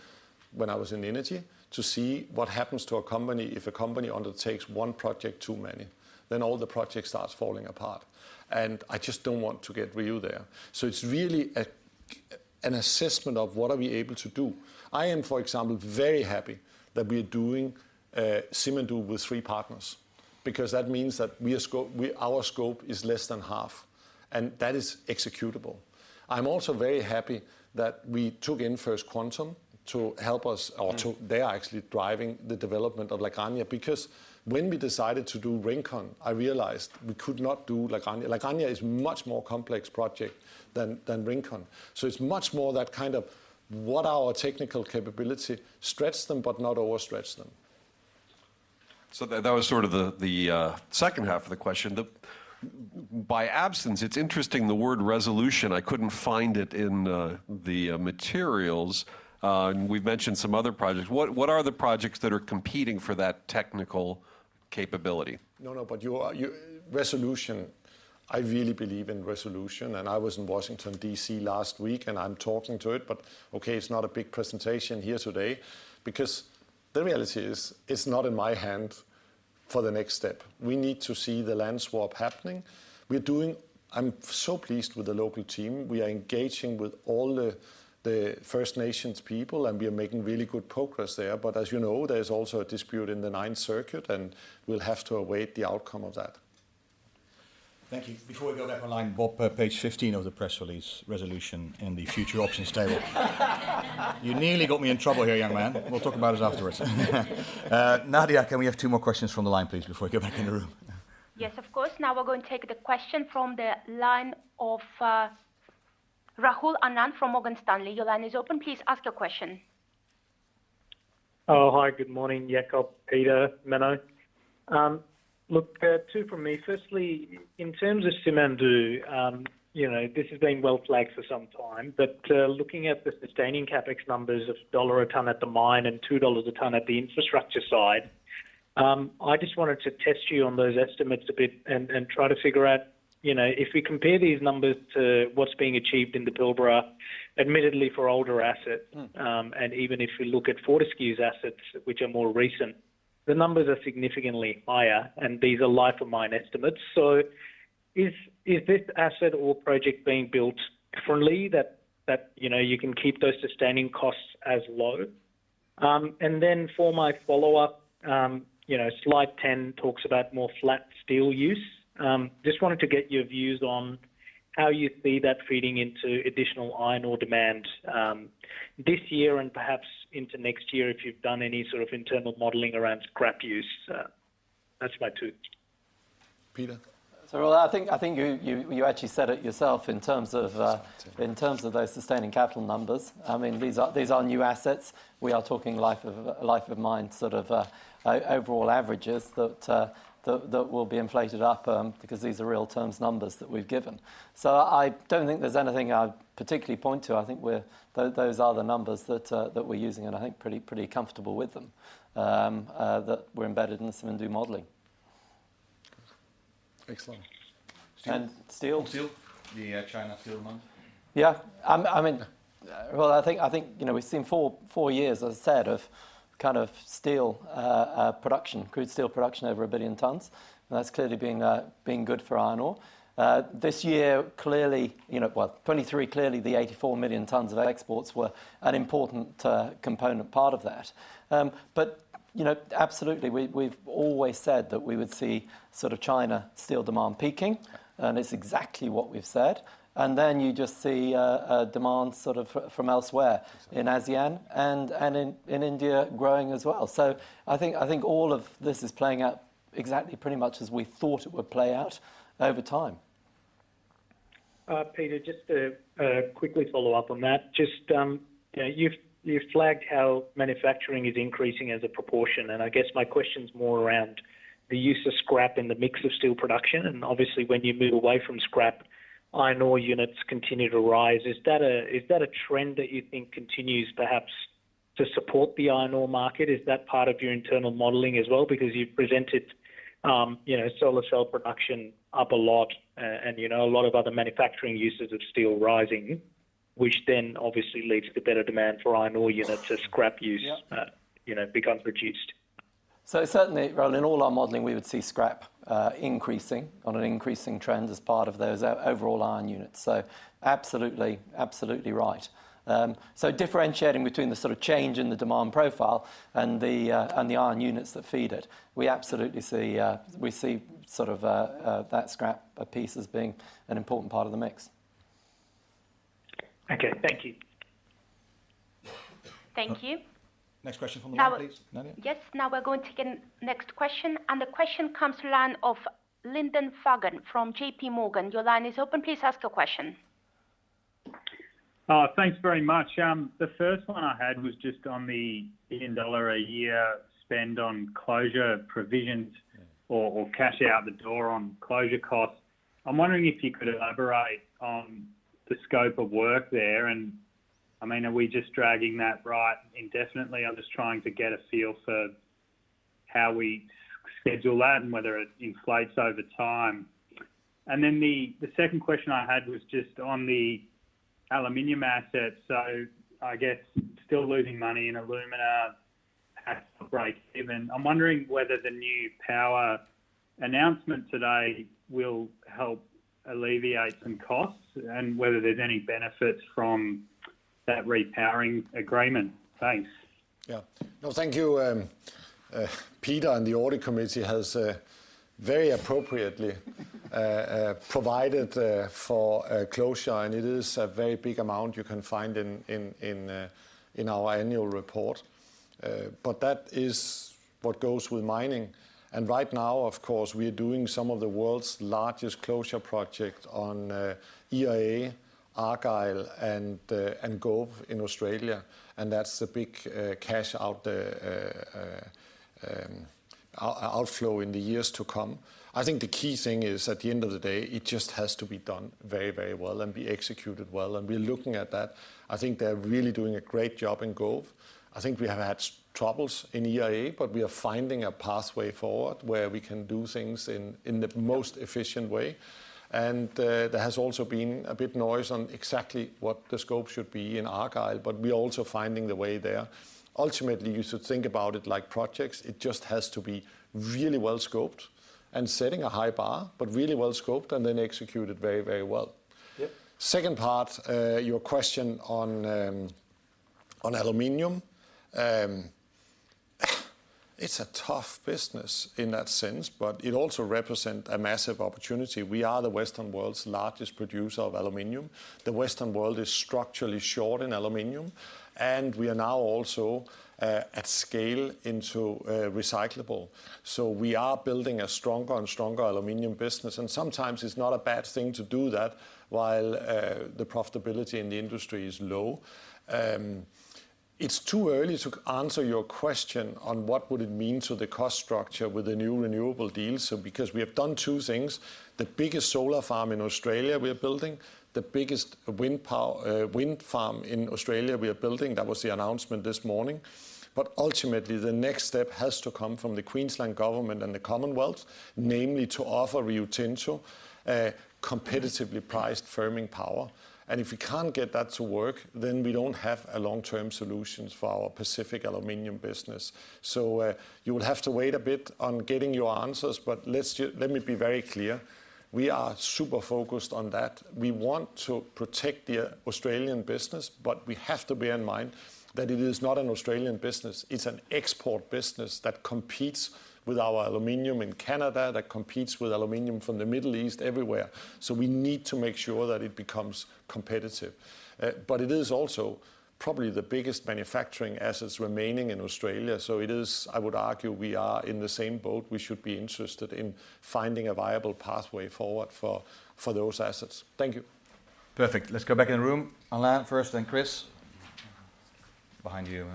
[SPEAKER 2] when I was in energy, to see what happens to a company if it undertakes one project too many. Then all the projects start falling apart. And I just don't want to get Rio there. So it's really an assessment of what are we able to do. I am, for example, very happy that we are doing Simandou with three partners, because that means that we are our scope is less than half, and that is executable. I'm also very happy that we took in First Quantum to help us, or to they are actually driving the development of La Granja. Because when we decided to do Rincón, I realized we could not do La Granja. La Granja is a much more complex project than Rincón. So it's much more that kind of, "What are our technical capabilities?" Stretch them, but not overstretch them.
[SPEAKER 9] So that was sort of the second half of the question. By absence, it's interesting, the word "resolution," I couldn't find it in the materials. We've mentioned some other projects. What are the projects that are competing for that technical capability?
[SPEAKER 2] No, no, but you're Resolution. I really believe in Resolution. And I was in Washington, D.C. last week, and I'm talking to it. But okay, it's not a big presentation here today. Because the reality is, it's not in my hand for the next step. We need to see the land swap happening. We're doing. I'm so pleased with the local team. We are engaging with all the First Nations people, and we are making really good progress there. But as you know, there's also a dispute in the Ninth Circuit, and we'll have to await the outcome of that.
[SPEAKER 9] Thank you.
[SPEAKER 1] Before we go back online, Bob, page 15 of the press release Resolution in the Future Options table. You nearly got me in trouble here, young man. We'll talk about it afterwards. Nadia, can we have two more questions from the line, please, before we go back in the room?
[SPEAKER 5] Yes, of course. Now we're going to take the question from the line of Rahul Anand from Morgan Stanley. Your line is open. Please ask your question.
[SPEAKER 10] Oh, Hi. Good morning, Jakob, Peter, Menno. Look, two from me. Firstly, in terms of Simandou, you know this has been well-flagged for some time. But looking at the sustaining CapEx numbers of $1 a tonne at the mine and $2 a tonne at the infrastructure side, I just wanted to test you on those estimates a bit and try to figure out, you know if we compare these numbers to what's being achieved in the Pilbara, admittedly for older assets, and even if we look at Fortescue's assets, which are more recent, the numbers are significantly higher. These are life-of-mine estimates. So is this asset or project being built differently that you know you can keep those sustaining costs as low? And then for my follow-up, you know slide 10 talks about more flat steel use. Just wanted to get your views on how you see that feeding into additional iron ore demand this year and perhaps into next year if you've done any sort of internal modelling around scrap use. That's my two.
[SPEAKER 2] Peter?
[SPEAKER 3] So I think you actually said it yourself in terms of those sustaining capital numbers. I mean, these are new assets. We are talking life-of-mine sort of overall averages that will be inflated up because these are real terms numbers that we've given. So I don't think there's anything I'd particularly point to. I think those are the numbers that we're using, and I think pretty comfortable with them that we're embedded in the Simandou modelling.
[SPEAKER 10] Excellent.
[SPEAKER 3] Steel? And steel? Steel?
[SPEAKER 2] The China steel amount?
[SPEAKER 3] Yeah. I mean, well, I think you know we've seen four years, as I said, of kind of steel production, crude steel production over 1 billion tonnes. And that's clearly been good for iron ore. This year, clearly you know well, 2023, clearly the 84 million tonnes of exports were an important component part of that. But you know absolutely, we've always said that we would see sort of China steel demand peaking. And it's exactly what we've said. And then you just see demand sort of from elsewhere, in ASEAN and in India growing as well. So I think I think all of this is playing out exactly pretty much as we thought it would play out over time.
[SPEAKER 10] Peter, just to quickly follow up on that. Just you've flagged how manufacturing is increasing as a proportion. And I guess my question's more around the use of scrap in the mix of steel production. And obviously, when you move away from scrap, iron ore units continue to rise. Is that a trend that you think continues perhaps to support the iron ore market? Is that part of your internal modeling as well? Because you've presented you know solar cell production up a lot, and you know a lot of other manufacturing uses of steel rising, which then obviously leads to better demand for iron ore units as scrap use you know becomes reduced.
[SPEAKER 3] So certainly, Rahul, in all our modelling, we would see scrap increasing on an increasing trend as part of those overall iron units. So absolutely, absolutely right. So differentiating between the sort of change in the demand profile and the iron units that feed it, we absolutely see we see sort of that scrap piece as being an important part of the mix.
[SPEAKER 10] Okay, thank you.
[SPEAKER 5] Thank you.
[SPEAKER 1] Next question from the line, please, Nadia.
[SPEAKER 5] Yes, now we're going to get the next question. And the question comes to the line of Lyndon Fagan from JPMorgan. Your line is open. Please ask your question.
[SPEAKER 11] Thanks very much. The first one I had was just on the $10 a year spend on closure provisions or cash out the door on closure costs. I'm wondering if you could elaborate on the scope of work there. I mean, are we just dragging that right indefinitely? I'm just trying to get a feel for how we schedule that and whether it inflates over time. And then the second question I had was just on the aluminum assets. So I guess still losing money in alumina, perhaps break even. I'm wondering whether the new power announcement today will help alleviate some costs and whether there's any benefits from that repowering agreement. Thanks.
[SPEAKER 2] Yeah. No, thank you, Peter. The Audit Committee has very appropriately provided for closure. And it is a very big amount you can find in our annual report. But that is what goes with mining. And right now, of course, we are doing some of the world's largest closure projects on ERA, Argyle, and Gove in Australia. And that's the big cash outflow in the years to come. I think the key thing is, at the end of the day, it just has to be done very, very well and be executed well. We're looking at that. I think they're really doing a great job in Gove. I think we have had troubles in ERA, but we are finding a pathway forward where we can do things in the most efficient way. There has also been a bit of noise on exactly what the scope should be in Argyle, but we're also finding the way there. Ultimately, you should think about it like projects. It just has to be really well-scoped and setting a high bar, but really well-scoped and then executed very, very well. Yep. Second part, your question on aluminum. It's a tough business in that sense, but it also represents a massive opportunity. We are the Western world's largest producer of aluminum. The Western world is structurally short in aluminum. We are now also at scale into recyclable. We are building a stronger and stronger aluminum business. Sometimes it's not a bad thing to do that while the profitability in the industry is low. It's too early to answer your question on what would it mean to the cost structure with the new renewable deals? Because we have done two things, the biggest solar farm in Australia we are building, the biggest wind farm in Australia we are building, that was the announcement this morning. Ultimately, the next step has to come from the Queensland government and the Commonwealth, namely to offer Rio Tinto competitively priced firming power. If we can't get that to work, then we don't have long-term solutions for our Pacific aluminum business. So you will have to wait a bit on getting your answers. But let me be very clear. We are super focused on that. We want to protect the Australian business, but we have to bear in mind that it is not an Australian business. It's an export business that competes with our aluminum in Canada, that competes with aluminum from the Middle East everywhere. So we need to make sure that it becomes competitive. But it is also probably the biggest manufacturing asset remaining in Australia. So it is, I would argue, we are in the same boat. We should be interested in finding a viable pathway forward for those assets. Thank you.
[SPEAKER 1] Perfect. Let's go back in the room. Alain first, then Chris. Behind you.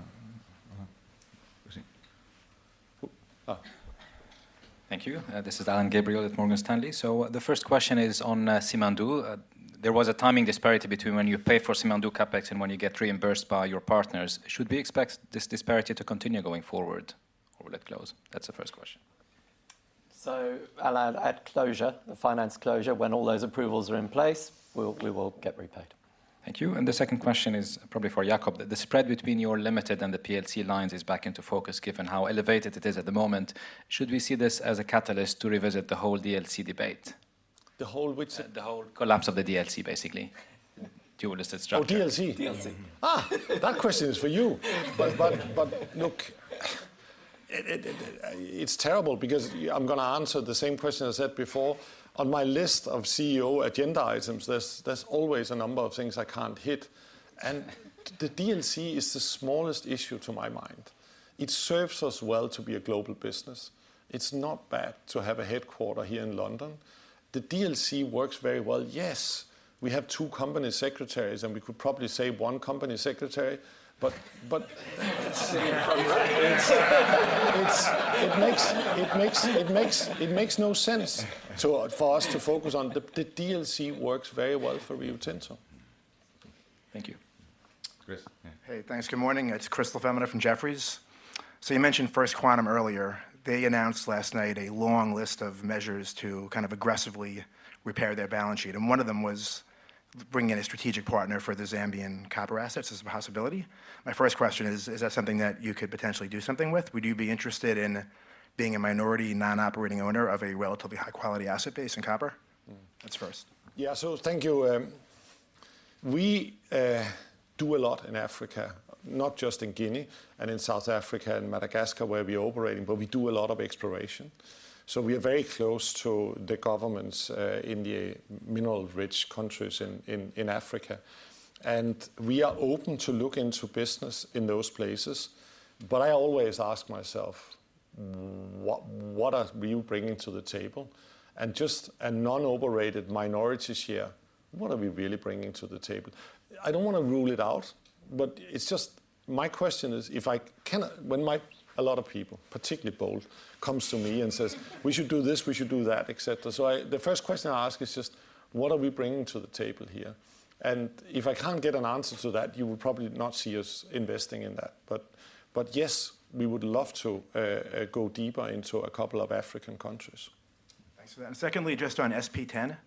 [SPEAKER 12] Thank you. This is Alain Gabriel at Morgan Stanley. So the first question is on Simandou. There was a timing disparity between when you pay for Simandou CapEx and when you get reimbursed by your partners. Should we expect this disparity to continue going forward, or will it close? That's the first question.
[SPEAKER 3] So Alain, at closure, the finance closure, when all those approvals are in place, we will get repaid.
[SPEAKER 12] Thank you. And the second question is probably for Jakob. The spread between your limited and the PLC lines is back into focus given how elevated it is at the moment. Should we see this as a catalyst to revisit the whole DLC debate? The whole collapse of the DLC, basically. Dual-listed structure.
[SPEAKER 2] Oh, DLC. DLC. That question is for you. But but but look, it's terrible because I'm going to answer the same question I said before. On my list of CEO agenda items, there's always a number of things I can't hit. The DLC is the smallest issue to my mind. It serves us well to be a global business. It's not bad to have a headquarters here in London. The DLC works very well. Yes, we have two company secretaries, and we could probably say one company secretary. But it makes no sense for us to focus on the DLC. It works very well for Rio Tinto.
[SPEAKER 12] Thank you.
[SPEAKER 1] Chris?
[SPEAKER 13] Hey, thanks. Good morning. It's Christopher LaFemina from Jefferies. So you mentioned First Quantum earlier. They announced last night a long list of measures to kind of aggressively repair their balance sheet. One of them was bringing in a strategic partner for the Zambian copper assets as a possibility. My first question is, is that something that you could potentially do something with? Would you be interested in being a minority, non-operating owner of a relatively high-quality asset base in copper? That's first.
[SPEAKER 2] Yeah, so thank you. We do a lot in Africa, not just in Guinea and in South Africa and Madagascar where we are operating, but we do a lot of exploration. So we are very close to the governments in the mineral-rich countries in Africa. And we are open to look into business in those places. But I always ask myself, what are we bringing to the table? And just a non-operated minority share, what are we really bringing to the table? I don't want to rule it out, but it's just my question is, if I can when my a lot of people, particularly Bold, comes to me and says, "We should do this, we should do that," etc. So the first question I ask is just, what are we bringing to the table here? And if I can't get an answer to that, you will probably not see us investing in that. But yes, we would love to go deeper into a couple of African countries.
[SPEAKER 13] Thanks for that. And secondly, just on SP10,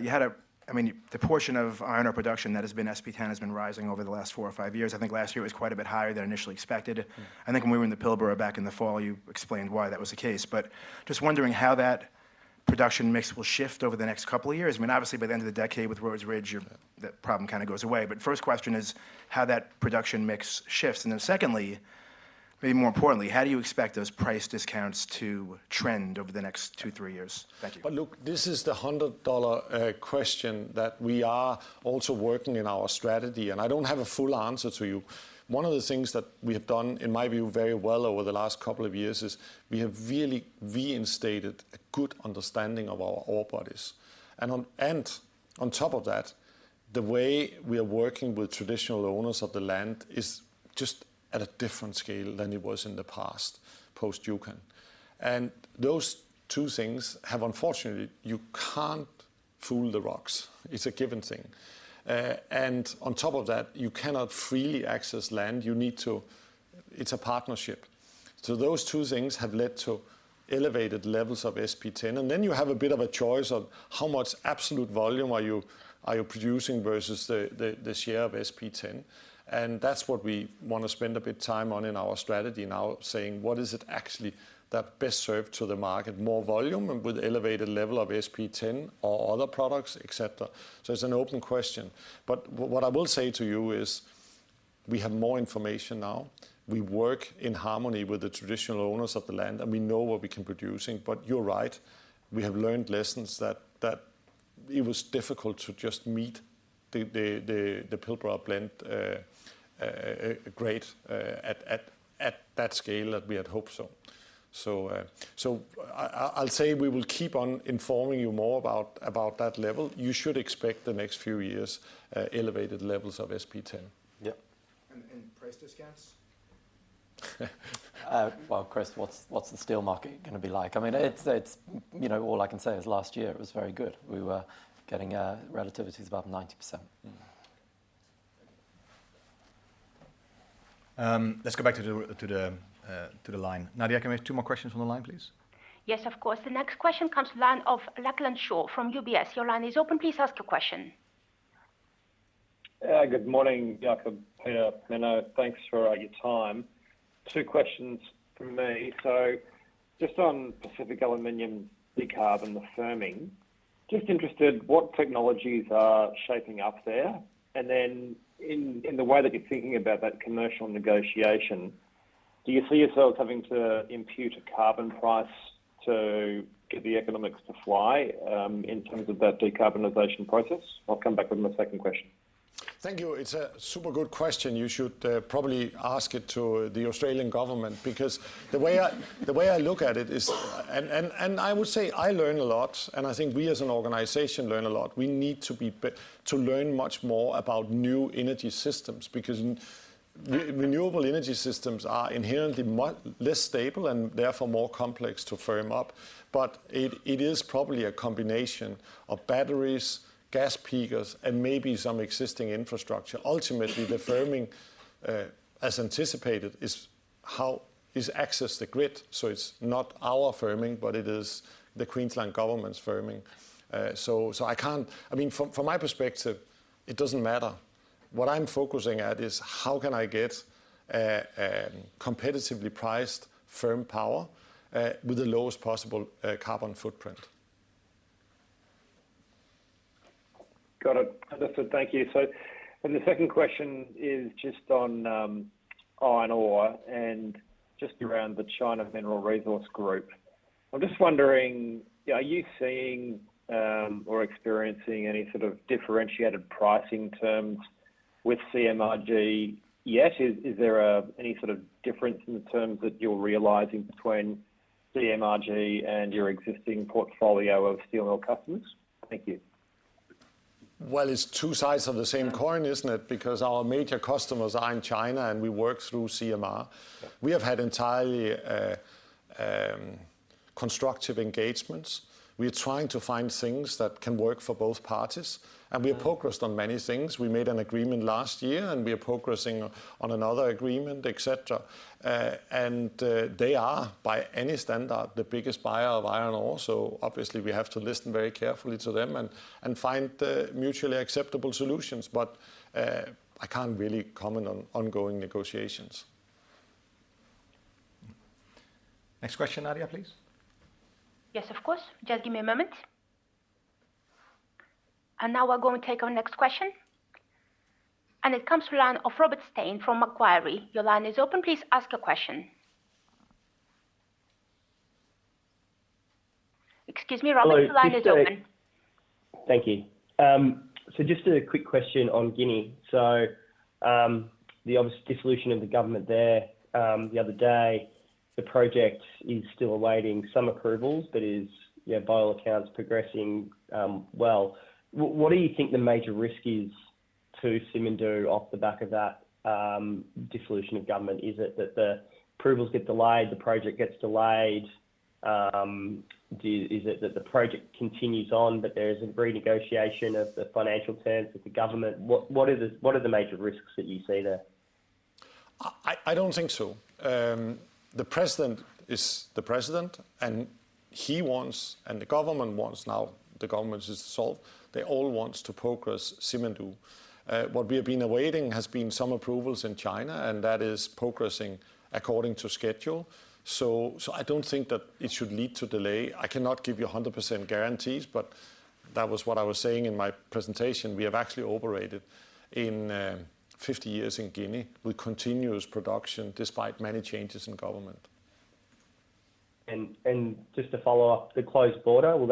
[SPEAKER 13] you had a I mean, the portion of iron ore production that has been SP10 has been rising over the last four or five years. I think last year it was quite a bit higher than initially expected. I think when we were in the Pilbara back in the fall, you explained why that was the case. But just wondering how that production mix will shift over the next couple of years. I mean, obviously, by the end of the decade with Rhodes Ridge, that problem kind of goes away. But first question is, how that production mix shifts? And then secondly, maybe more importantly, how do you expect those price discounts to trend over the next 2-3 years? Thank you.
[SPEAKER 2] But look, this is the $100 question that we are also working in our strategy. And I don't have a full answer to you. One of the things that we have done, in my view, very well over the last couple of years is we have really reinstated a good understanding of our ore bodies. And on top of that, the way we are working with traditional owners of the land is just at a different scale than it was in the past post-Juukan. And those two things have, unfortunately, you can't fool the rocks. It's a given thing. And on top of that, you cannot freely access land. You need to. It's a partnership. So those two things have led to elevated levels of SP10. And then you have a bit of a choice on how much absolute volume are you producing versus the share of SP10. And that's what we want to spend a bit of time on in our strategy now, saying, what is it actually that best serves to the market, more volume and with an elevated level of SP10 or other products, et cetera? So it's an open question. But what I will say to you is, we have more information now. We work in harmony with the traditional owners of the land, and we know what we can produce. But you're right. We have learned lessons that it was difficult to just meet the Pilbara blend grade at that scale that we had hoped so. So I'll say we will keep on informing you more about that level. You should expect the next few years elevated levels of SP10. Yeah. And price discounts?
[SPEAKER 3] Well, Chris, what's the steel market going to be like? I mean, all I can say is last year it was very good. We were getting relativities above 90%.
[SPEAKER 1] Let's go back to the line. Nadia, can we have two more questions on the line, please?
[SPEAKER 5] Yes, of course. The next question comes to the line of Lachlan Shaw from UBS. Your line is open. Please ask your question.
[SPEAKER 14] Good morning, Jakob, Peter, Menno. Thanks for your time. Two questions from me. So just on Pacific aluminium decarb and the firming, just interested what technologies are shaping up there. And then in the way that you're thinking about that commercial negotiation, do you see yourselves having to impute a carbon price to get the economics to fly in terms of that decarbonization process? I'll come back with my second question.
[SPEAKER 2] Thank you. It's a super good question. You should probably ask it to the Australian government because the way I look at it is and I would say I learn a lot, and I think we as an organization learn a lot. We need to learn much more about new energy systems because renewable energy systems are inherently less stable and therefore more complex to firm up. But it is probably a combination of batteries, gas peakers, and maybe some existing infrastructure. Ultimately, the firming, as anticipated, is how is access to the grid. So it's not our firming, but it is the Queensland government's firming. So I can't I mean, from my perspective, it doesn't matter. What I'm focusing at is how can I get competitively priced firm power with the lowest possible carbon footprint.
[SPEAKER 14] Got it. Understood. Thank you. So the second question is just on iron ore and just around the China Mineral Resources Group. I'm just wondering, are you seeing or experiencing any sort of differentiated pricing terms with CMRG yet? Is there any sort of difference in the terms that you're realizing between CMRG and your existing portfolio of steel mill customers? Thank you.
[SPEAKER 2] Well, it's two sides of the same coin, isn't it? Because our major customers are in China, and we work through CMRG. We have had entirely constructive engagements. We are trying to find things that can work for both parties. And we have progressed on many things. We made an agreement last year, and we are progressing on another agreement, etc. They are, by any standard, the biggest buyer of iron ore. So obviously, we have to listen very carefully to them and find mutually acceptable solutions. But I can't really comment on ongoing negotiations.
[SPEAKER 1] Next question, Nadia, please.
[SPEAKER 5] Yes, of course. Just give me a moment. Now we're going to take our next question. It comes to the line of Robert Stein from Macquarie. Your line is open. Please ask your question. Excuse me, Robert, your line is open.
[SPEAKER 15] Thank you. So just a quick question on Guinea. The obvious dissolution of the government there the other day, the project is still awaiting some approvals, but is, by all accounts, progressing well. What do you think the major risk is to Simandou off the back of that dissolution of government? Is it that the approvals get delayed, the project gets delayed? Is it that the project continues on, but there is a renegotiation of the financial terms with the government? What are the major risks that you see there?
[SPEAKER 2] I don't think so. The president is the president, and he wants and the government wants now the government is dissolved. They all want to progress Simandou. What we have been awaiting has been some approvals in China, and that is progressing according to schedule. So I don't think that it should lead to delay. I cannot give you 100% guarantees, but that was what I was saying in my presentation. We have actually operated in 50 years in Guinea with continuous production despite many changes in government.
[SPEAKER 15] And just to follow up, the closed border, will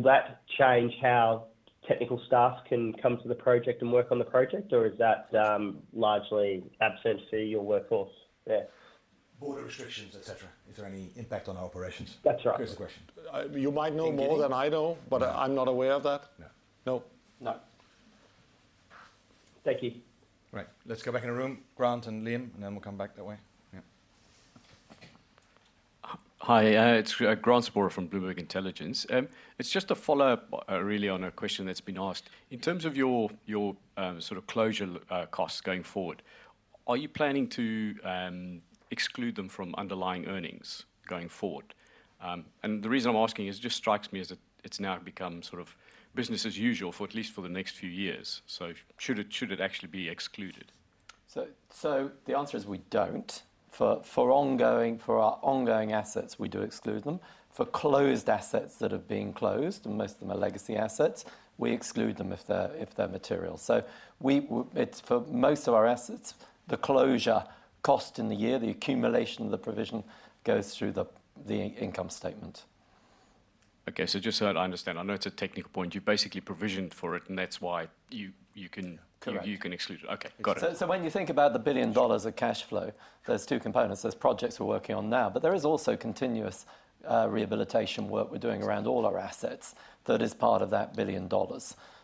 [SPEAKER 15] that change how technical staff can come to the project and work on the project, or is that largely absent for your workforce there?
[SPEAKER 1] Border restrictions, etc. Is there any impact on our operations?
[SPEAKER 15] That's right.
[SPEAKER 1] Here's the question.
[SPEAKER 2] You might know more than I know, but I'm not aware of that. No? No.
[SPEAKER 15] Thank you.
[SPEAKER 1] Right. Let's go back in the room, Grant and Liam, and then we'll come back that way.
[SPEAKER 16] Yeah. Hi. It's Grant Sapir from Bloomberg Intelligence. It's just a follow-up really on a question that's been asked. In terms of your sort of closure costs going forward, are you planning to exclude them from underlying earnings going forward? And the reason I'm asking is it just strikes me as it's now become sort of business as usual for at least for the next few years. So should it actually be excluded?
[SPEAKER 3] So the answer is we don't. For our ongoing assets, we do exclude them. For closed assets that have been closed, and most of them are legacy assets, we exclude them if they're material. So for most of our assets, the closure cost in the year, the accumulation of the provision goes through the income statement.
[SPEAKER 16] Okay. So just so I understand, I know it's a technical point. You've basically provisioned for it, and that's why you can exclude it. Okay. Got it.
[SPEAKER 3] So when you think about the $1 billion of cash flow, there are two components. There are projects we're working on now, but there is also continuous rehabilitation work we're doing around all our assets that is part of that $1 billion.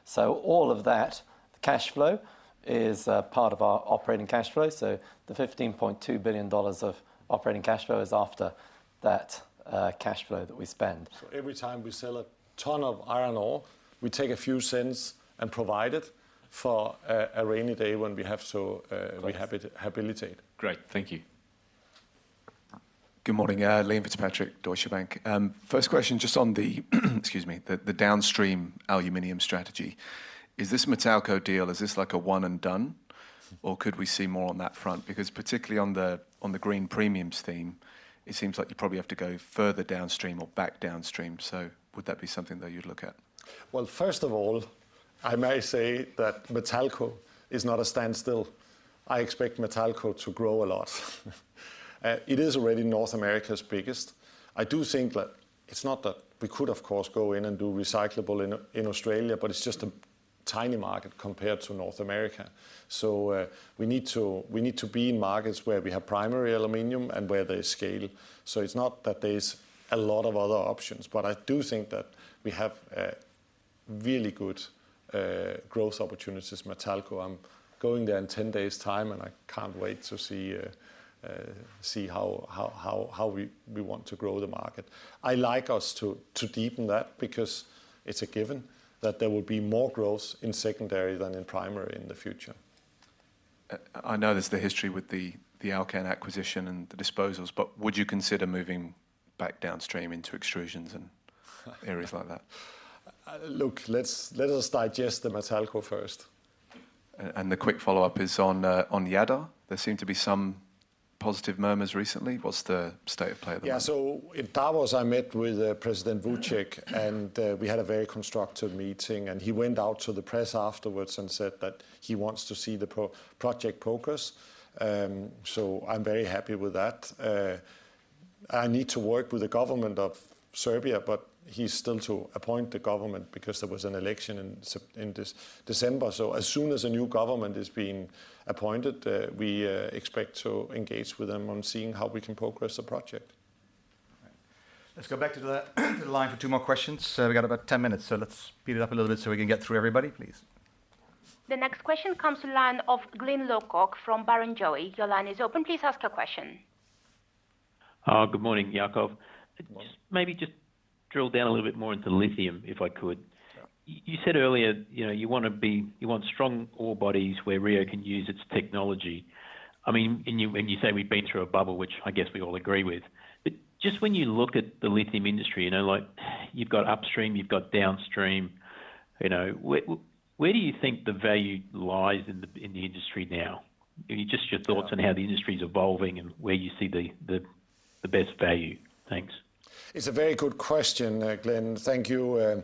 [SPEAKER 3] So all of that, the cash flow, is part of our operating cash flow. So the $15.2 billion of operating cash flow is after that cash flow that we spend.
[SPEAKER 2] So every time we sell a ton of iron ore, we take a few cents and provide it for a rainy day when we have to rehabilitate.
[SPEAKER 16] Great. Thank you.
[SPEAKER 17] Good morning. Liam Fitzpatrick, Deutsche Bank. First question just on the downstream aluminum strategy. Is this Matalco deal, is this like a one-and-done, or could we see more on that front? Because particularly on the green premiums theme, it seems like you probably have to go further downstream or back downstream. So would that be something that you'd look at?
[SPEAKER 2] Well, first of all, I may say that Matalco is not a standstill. I expect Matalco to grow a lot. It is already North America's biggest. I do think that it's not that we could, of course, go in and do recyclable in Australia, but it's just a tiny market compared to North America. So we need to be in markets where we have primary aluminum and where there is scale. So it's not that there's a lot of other options. But I do think that we have really good growth opportunities, Matalco. I'm going there in 10 days' time, and I can't wait to see how we want to grow the market. I like us to deepen that because it's a given that there will be more growth in secondary than in primary in the future.
[SPEAKER 17] I know there's the history with the Alcan acquisition and the disposals, but would you consider moving back downstream into extrusions and areas like that?
[SPEAKER 2] Look, let us digest the Matalco first.
[SPEAKER 17] And the quick follow-up is on Jadar. There seem to be some positive murmurs recently. What's the state of play at the moment?
[SPEAKER 2] Yeah. So in Davos, I met with President Vučić, and we had a very constructive meeting. And he went out to the press afterwards and said that he wants to see the project progress. So I'm very happy with that. I need to work with the government of Serbia, but he's still to appoint the government because there was an election in December. So as soon as a new government is being appointed, we expect to engage with them on seeing how we can progress the project.
[SPEAKER 1] Let's go back to the line for two more questions. We've got about 10 minutes. So let's speed it up a little bit so we can get through everybody, please.
[SPEAKER 5] The next question comes to the line of Glyn Lawcock from Barrenjoey. Your line is open. Please ask your question.
[SPEAKER 18] Good morning, Jakob. Maybe just drill down a little bit more into lithium, if I could. You said earlier you want strong ore bodies where Rio can use its technology. I mean, and you say we've been through a bubble, which I guess we all agree with. But just when you look at the lithium industry, you've got upstream, you've got downstream. Where do you think the value lies in the industry now? Just your thoughts on how the industry is evolving and where you see the best value. Thanks.
[SPEAKER 2] It's a very good question, Glyn. Thank you.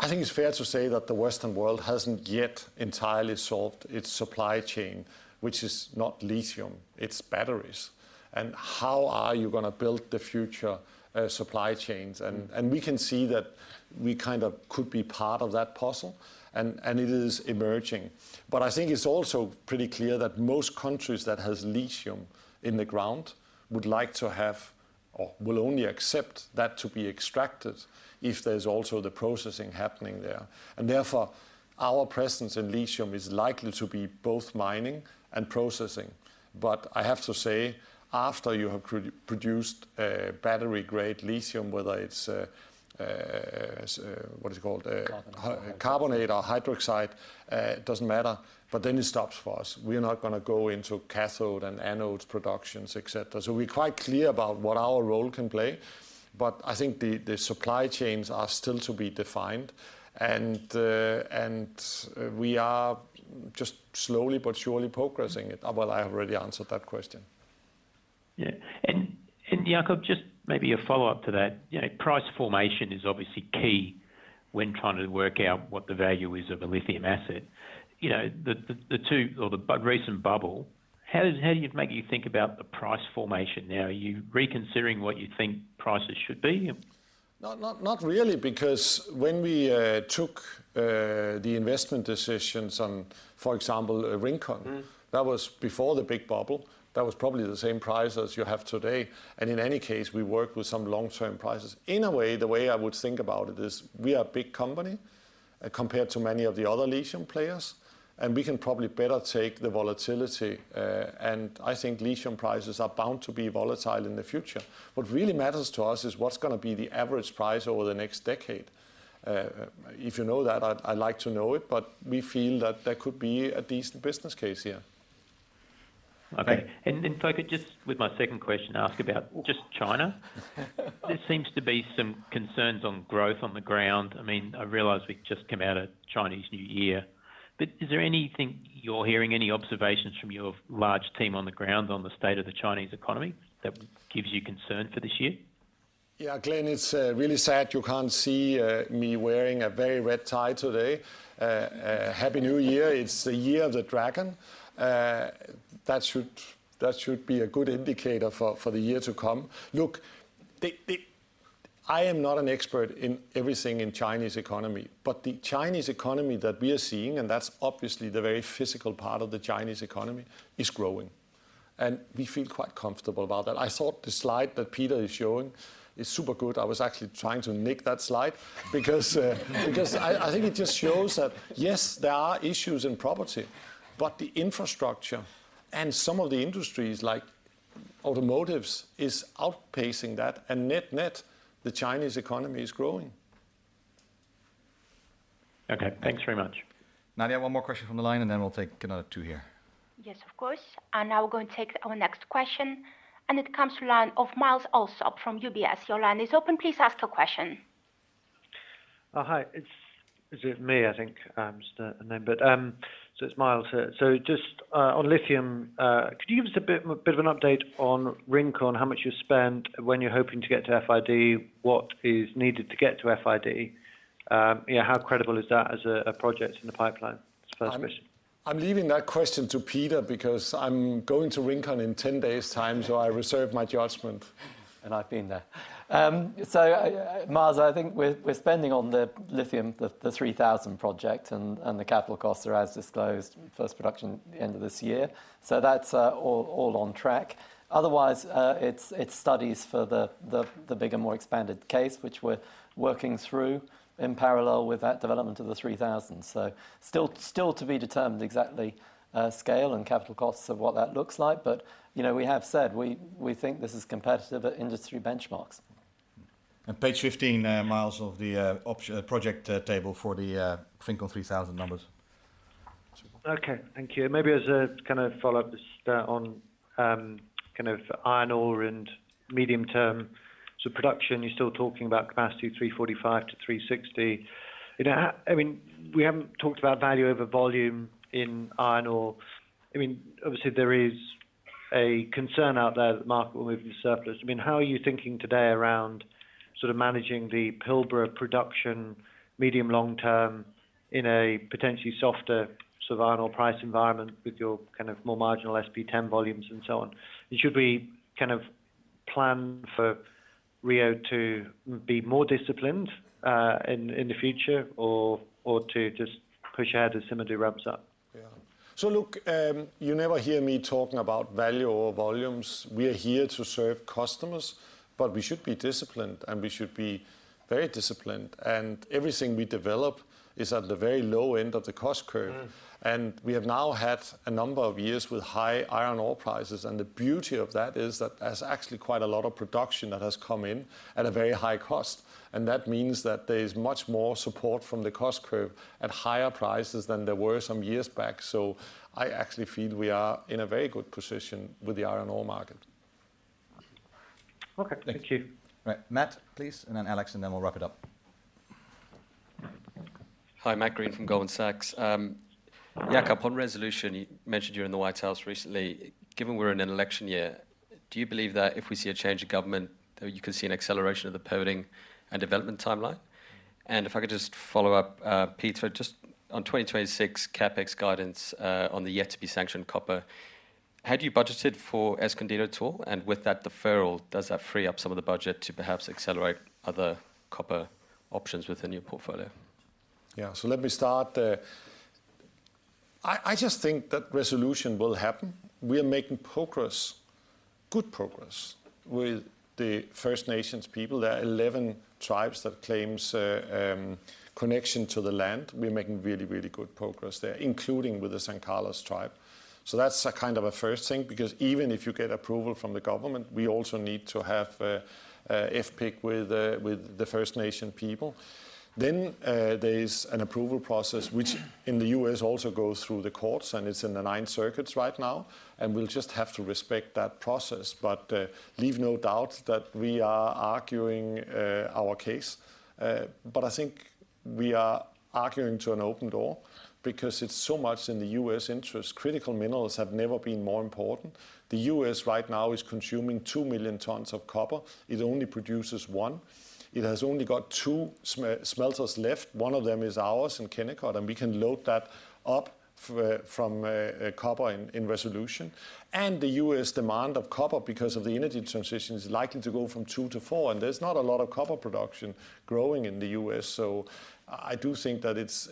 [SPEAKER 2] I think it's fair to say that the Western world hasn't yet entirely solved its supply chain, which is not lithium. It's batteries. And how are you going to build the future supply chains? And we can see that we kind of could be part of that puzzle, and it is emerging. But I think it's also pretty clear that most countries that have lithium in the ground would like to have or will only accept that to be extracted if there's also the processing happening there. And therefore, our presence in lithium is likely to be both mining and processing. But I have to say, after you have produced battery-grade lithium, whether it's what is it called? Carbonate. Carbonate or hydroxide, it doesn't matter. But then it stops for us. We are not going to go into cathode and anode productions, et cetera. So we're quite clear about what our role can play. But I think the supply chains are still to be defined. And we are just slowly but surely progressing it. Well, I have already answered that question.
[SPEAKER 18] Yeah. Jakob, just maybe a follow-up to that. Price formation is obviously key when trying to work out what the value is of a lithium asset. The recent bubble, how do you make you think about the price formation now? Are you reconsidering what you think prices should be?
[SPEAKER 2] Not really because when we took the investment decisions on, for example, Rincón, that was before the big bubble. That was probably the same price as you have today. And in any case, we worked with some long-term prices. In a way, the way I would think about it is we are a big company compared to many of the other lithium players, and we can probably better take the volatility. And I think lithium prices are bound to be volatile in the future. What really matters to us is what's going to be the average price over the next decade. If you know that, I'd like to know it. But we feel that there could be a decent business case here.
[SPEAKER 18] Okay. And if I could just, with my second question, ask about just China. There seems to be some concerns on growth on the ground. I mean, I realize we've just come out of Chinese New Year. But is there anything you're hearing, any observations from your large team on the ground on the state of the Chinese economy that gives you concern for this year?
[SPEAKER 2] Yeah. Glyn, it's really sad you can't see me wearing a very red tie today. Happy New Year. It's the Year of the Dragon. That should be a good indicator for the year to come. Look, I am not an expert in everything in the Chinese economy. But the Chinese economy that we are seeing, and that's obviously the very physical part of the Chinese economy, is growing. And we feel quite comfortable about that. I thought the slide that Peter is showing is super good. I was actually trying to nick that slide because I think it just shows that, yes, there are issues in property, but the infrastructure and some of the industries, like automotives, is outpacing that. And net, net, the Chinese economy is growing.
[SPEAKER 18] Okay. Thanks very much.
[SPEAKER 1] Nadia, one more question from the line, and then we'll take another two here.
[SPEAKER 5] Yes, of course. And now we're going to take our next question. And it comes to the line of Myles Allsop from UBS. Your line is open. Please ask your question.
[SPEAKER 19] Hi. Is it me? I think I'm the name. So it's Myles. So just on lithium, could you give us a bit of an update on Rincón, how much you spend when you're hoping to get to FID, what is needed to get to FID, how credible is that as a project in the pipeline? That's the first question.
[SPEAKER 2] I'm leaving that question to Peter because I'm going to Rincón in 10 days' time, so I reserve my judgment. And I've been there.
[SPEAKER 3] So Myles, I think we're spending on the lithium, the 3000 project, and the capital costs are, as disclosed, first production the end of this year. So that's all on track. Otherwise, it's studies for the bigger, more expanded case, which we're working through in parallel with that development of the 3000. So still to be determined exactly scale and capital costs of what that looks like. But we have said we think this is competitive at industry benchmarks.
[SPEAKER 1] Page 15, Myles, of the project table for the Rincón 3000 numbers.
[SPEAKER 19] Okay. Thank you. Maybe as a kind of follow-up, just on kind of iron ore and medium-term sort of production, you're still talking about capacity 345-360. I mean, we haven't talked about value over volume in iron ore. I mean, obviously, there is a concern out there that the market will move into surplus. I mean, how are you thinking today around sort of managing the Pilbara production medium-long-term in a potentially softer sort of iron ore price environment with your kind of more marginal SP10 volumes and so on? Should we kind of plan for Rio to be more disciplined in the future or to just push ahead as Simandou ramps up?
[SPEAKER 2] Yeah. So look, you never hear me talking about value or volumes. We are here to serve customers. But we should be disciplined, and we should be very disciplined. And everything we develop is at the very low end of the cost curve. And we have now had a number of years with high iron ore prices. And the beauty of that is that there's actually quite a lot of production that has come in at a very high cost. And that means that there is much more support from the cost curve at higher prices than there were some years back. So I actually feel we are in a very good position with the iron ore market.
[SPEAKER 19] Okay. Thank you.
[SPEAKER 1] Matt, please. And then Alex, and then we'll wrap it up.
[SPEAKER 20] Hi. Matt Greene from Goldman Sachs. Jakob, on resolution, you mentioned you were in the White House recently. Given we're in an election year, do you believe that if we see a change of government, that you can see an acceleration of the permitting and development timeline? And if I could just follow up, Peter, just on 2026 CAPEX guidance on the yet-to-be-sanctioned copper, had you budgeted for Escondida at all? And with that deferral, does that free up some of the budget to perhaps accelerate other copper options within your portfolio?
[SPEAKER 2] Yeah. So let me start. I just think that resolution will happen. We are making progress, good progress, with the First Nations people. There are 11 tribes that claim connection to the land. We are making really, really good progress there, including with the San Carlos tribe. So that's kind of a first thing because even if you get approval from the government, we also need to have FPIC with the First Nation people. Then there is an approval process, which in the US also goes through the courts, and it's in the Ninth Circuit right now. We'll just have to respect that process. But leave no doubt that we are arguing our case. I think we are arguing to an open door because it's so much in the US interest. Critical minerals have never been more important. The US right now is consuming 2 million tons of copper. It only produces one. It has only got 2 smelters left. One of them is ours in Kennecott. And we can load that up from Resolution Copper. And the US demand of copper because of the energy transition is likely to go from two to four. And there's not a lot of copper production growing in the US So I do think that it's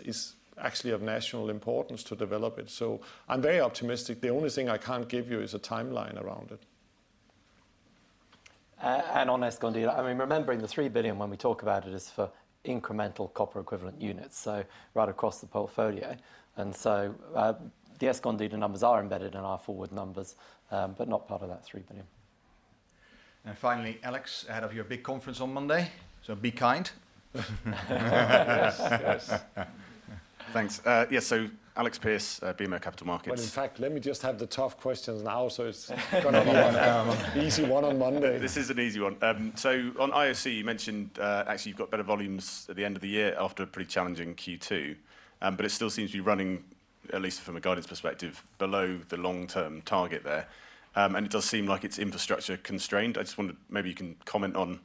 [SPEAKER 2] actually of national importance to develop it. So I'm very optimistic. The only thing I can't give you is a timeline around it.
[SPEAKER 3] And on Escondida, I mean, remembering the $3 billion when we talk about it is for incremental copper equivalent units, so right across the portfolio. And so the Escondida numbers are embedded and are forward numbers, but not part of that $3 billion.
[SPEAKER 1] And finally, Alex, ahead of your big conference on Monday, so be kind.
[SPEAKER 21] Yes. Yes. Thanks. Yeah. So Alex Pearce, BMO Capital Markets.
[SPEAKER 2] Well, in fact, let me just have the tough questions. And also, it's going to be an easy one on Monday.
[SPEAKER 21] This is an easy one. So on IOC, you mentioned actually you've got better volumes at the end of the year after a pretty challenging Q2. But it still seems to be running, at least from a guidance perspective, below the long-term target there. It does seem like it's infrastructure-constrained. I just wondered maybe you can comment on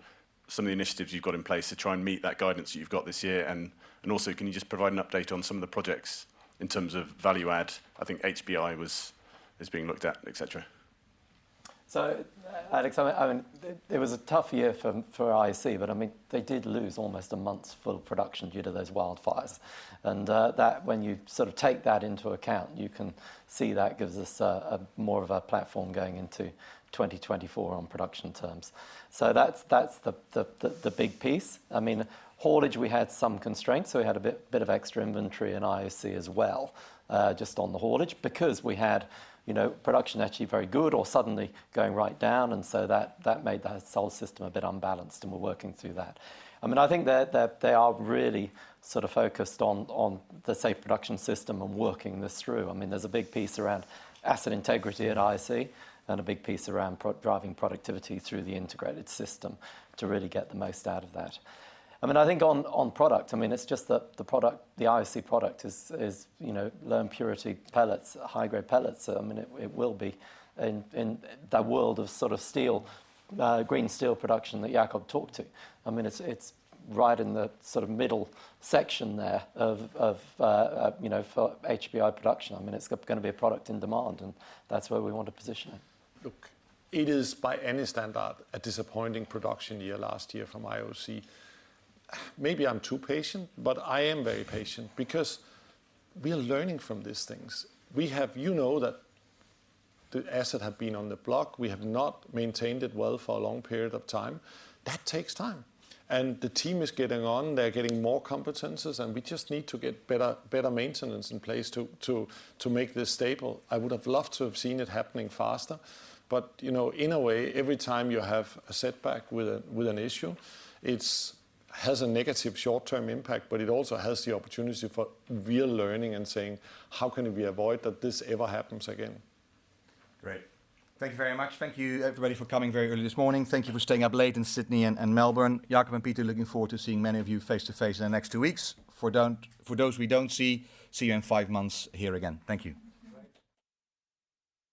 [SPEAKER 21] some of the initiatives you've got in place to try and meet that guidance that you've got this year. And also, can you just provide an update on some of the projects in terms of value add? I think HBI is being looked at, etc.
[SPEAKER 3] So Alex, I mean, it was a tough year for IOC. But I mean, they did lose almost a month's full production due to those wildfires. And when you sort of take that into account, you can see that gives us more of a platform going into 2024 on production terms. So that's the big piece. I mean, haulage, we had some constraints. So we had a bit of extra inventory in IOC as well just on the haulage because we had production actually very good or suddenly going right down. And so that made that whole system a bit unbalanced. And we're working through that. I mean, I think they are really sort of focused on the safe production system and working this through. I mean, there's a big piece around asset integrity at IOC and a big piece around driving productivity through the integrated system to really get the most out of that. I mean, I think on product, I mean, it's just that the IOC product is low impurity pellets, high-grade pellets. I mean, it will be in that world of sort of green steel production that Jakob talked to. I mean, it's right in the sort of middle section there for HBI production. I mean, it's going to be a product in demand. That's where we want to position it.
[SPEAKER 2] Look, it is, by any standard, a disappointing production year last year from IOC. Maybe I'm too patient. I am very patient because we are learning from these things. You know that the asset had been on the block. We have not maintained it well for a long period of time. That takes time. The team is getting on. They're getting more competences. We just need to get better maintenance in place to make this stable. I would have loved to have seen it happening faster. In a way, every time you have a setback with an issue, it has a negative short-term impact. It also has the opportunity for real learning and saying, "How can we avoid that this ever happens again?" Great.
[SPEAKER 1] Thank you very much. Thank you, everybody, for coming very early this morning. Thank you for staying up late in Sydney and Melbourne. Jakob and Peter, looking forward to seeing many of you face to face in the next two weeks. For those we don't see, see you in five months here again. Thank you.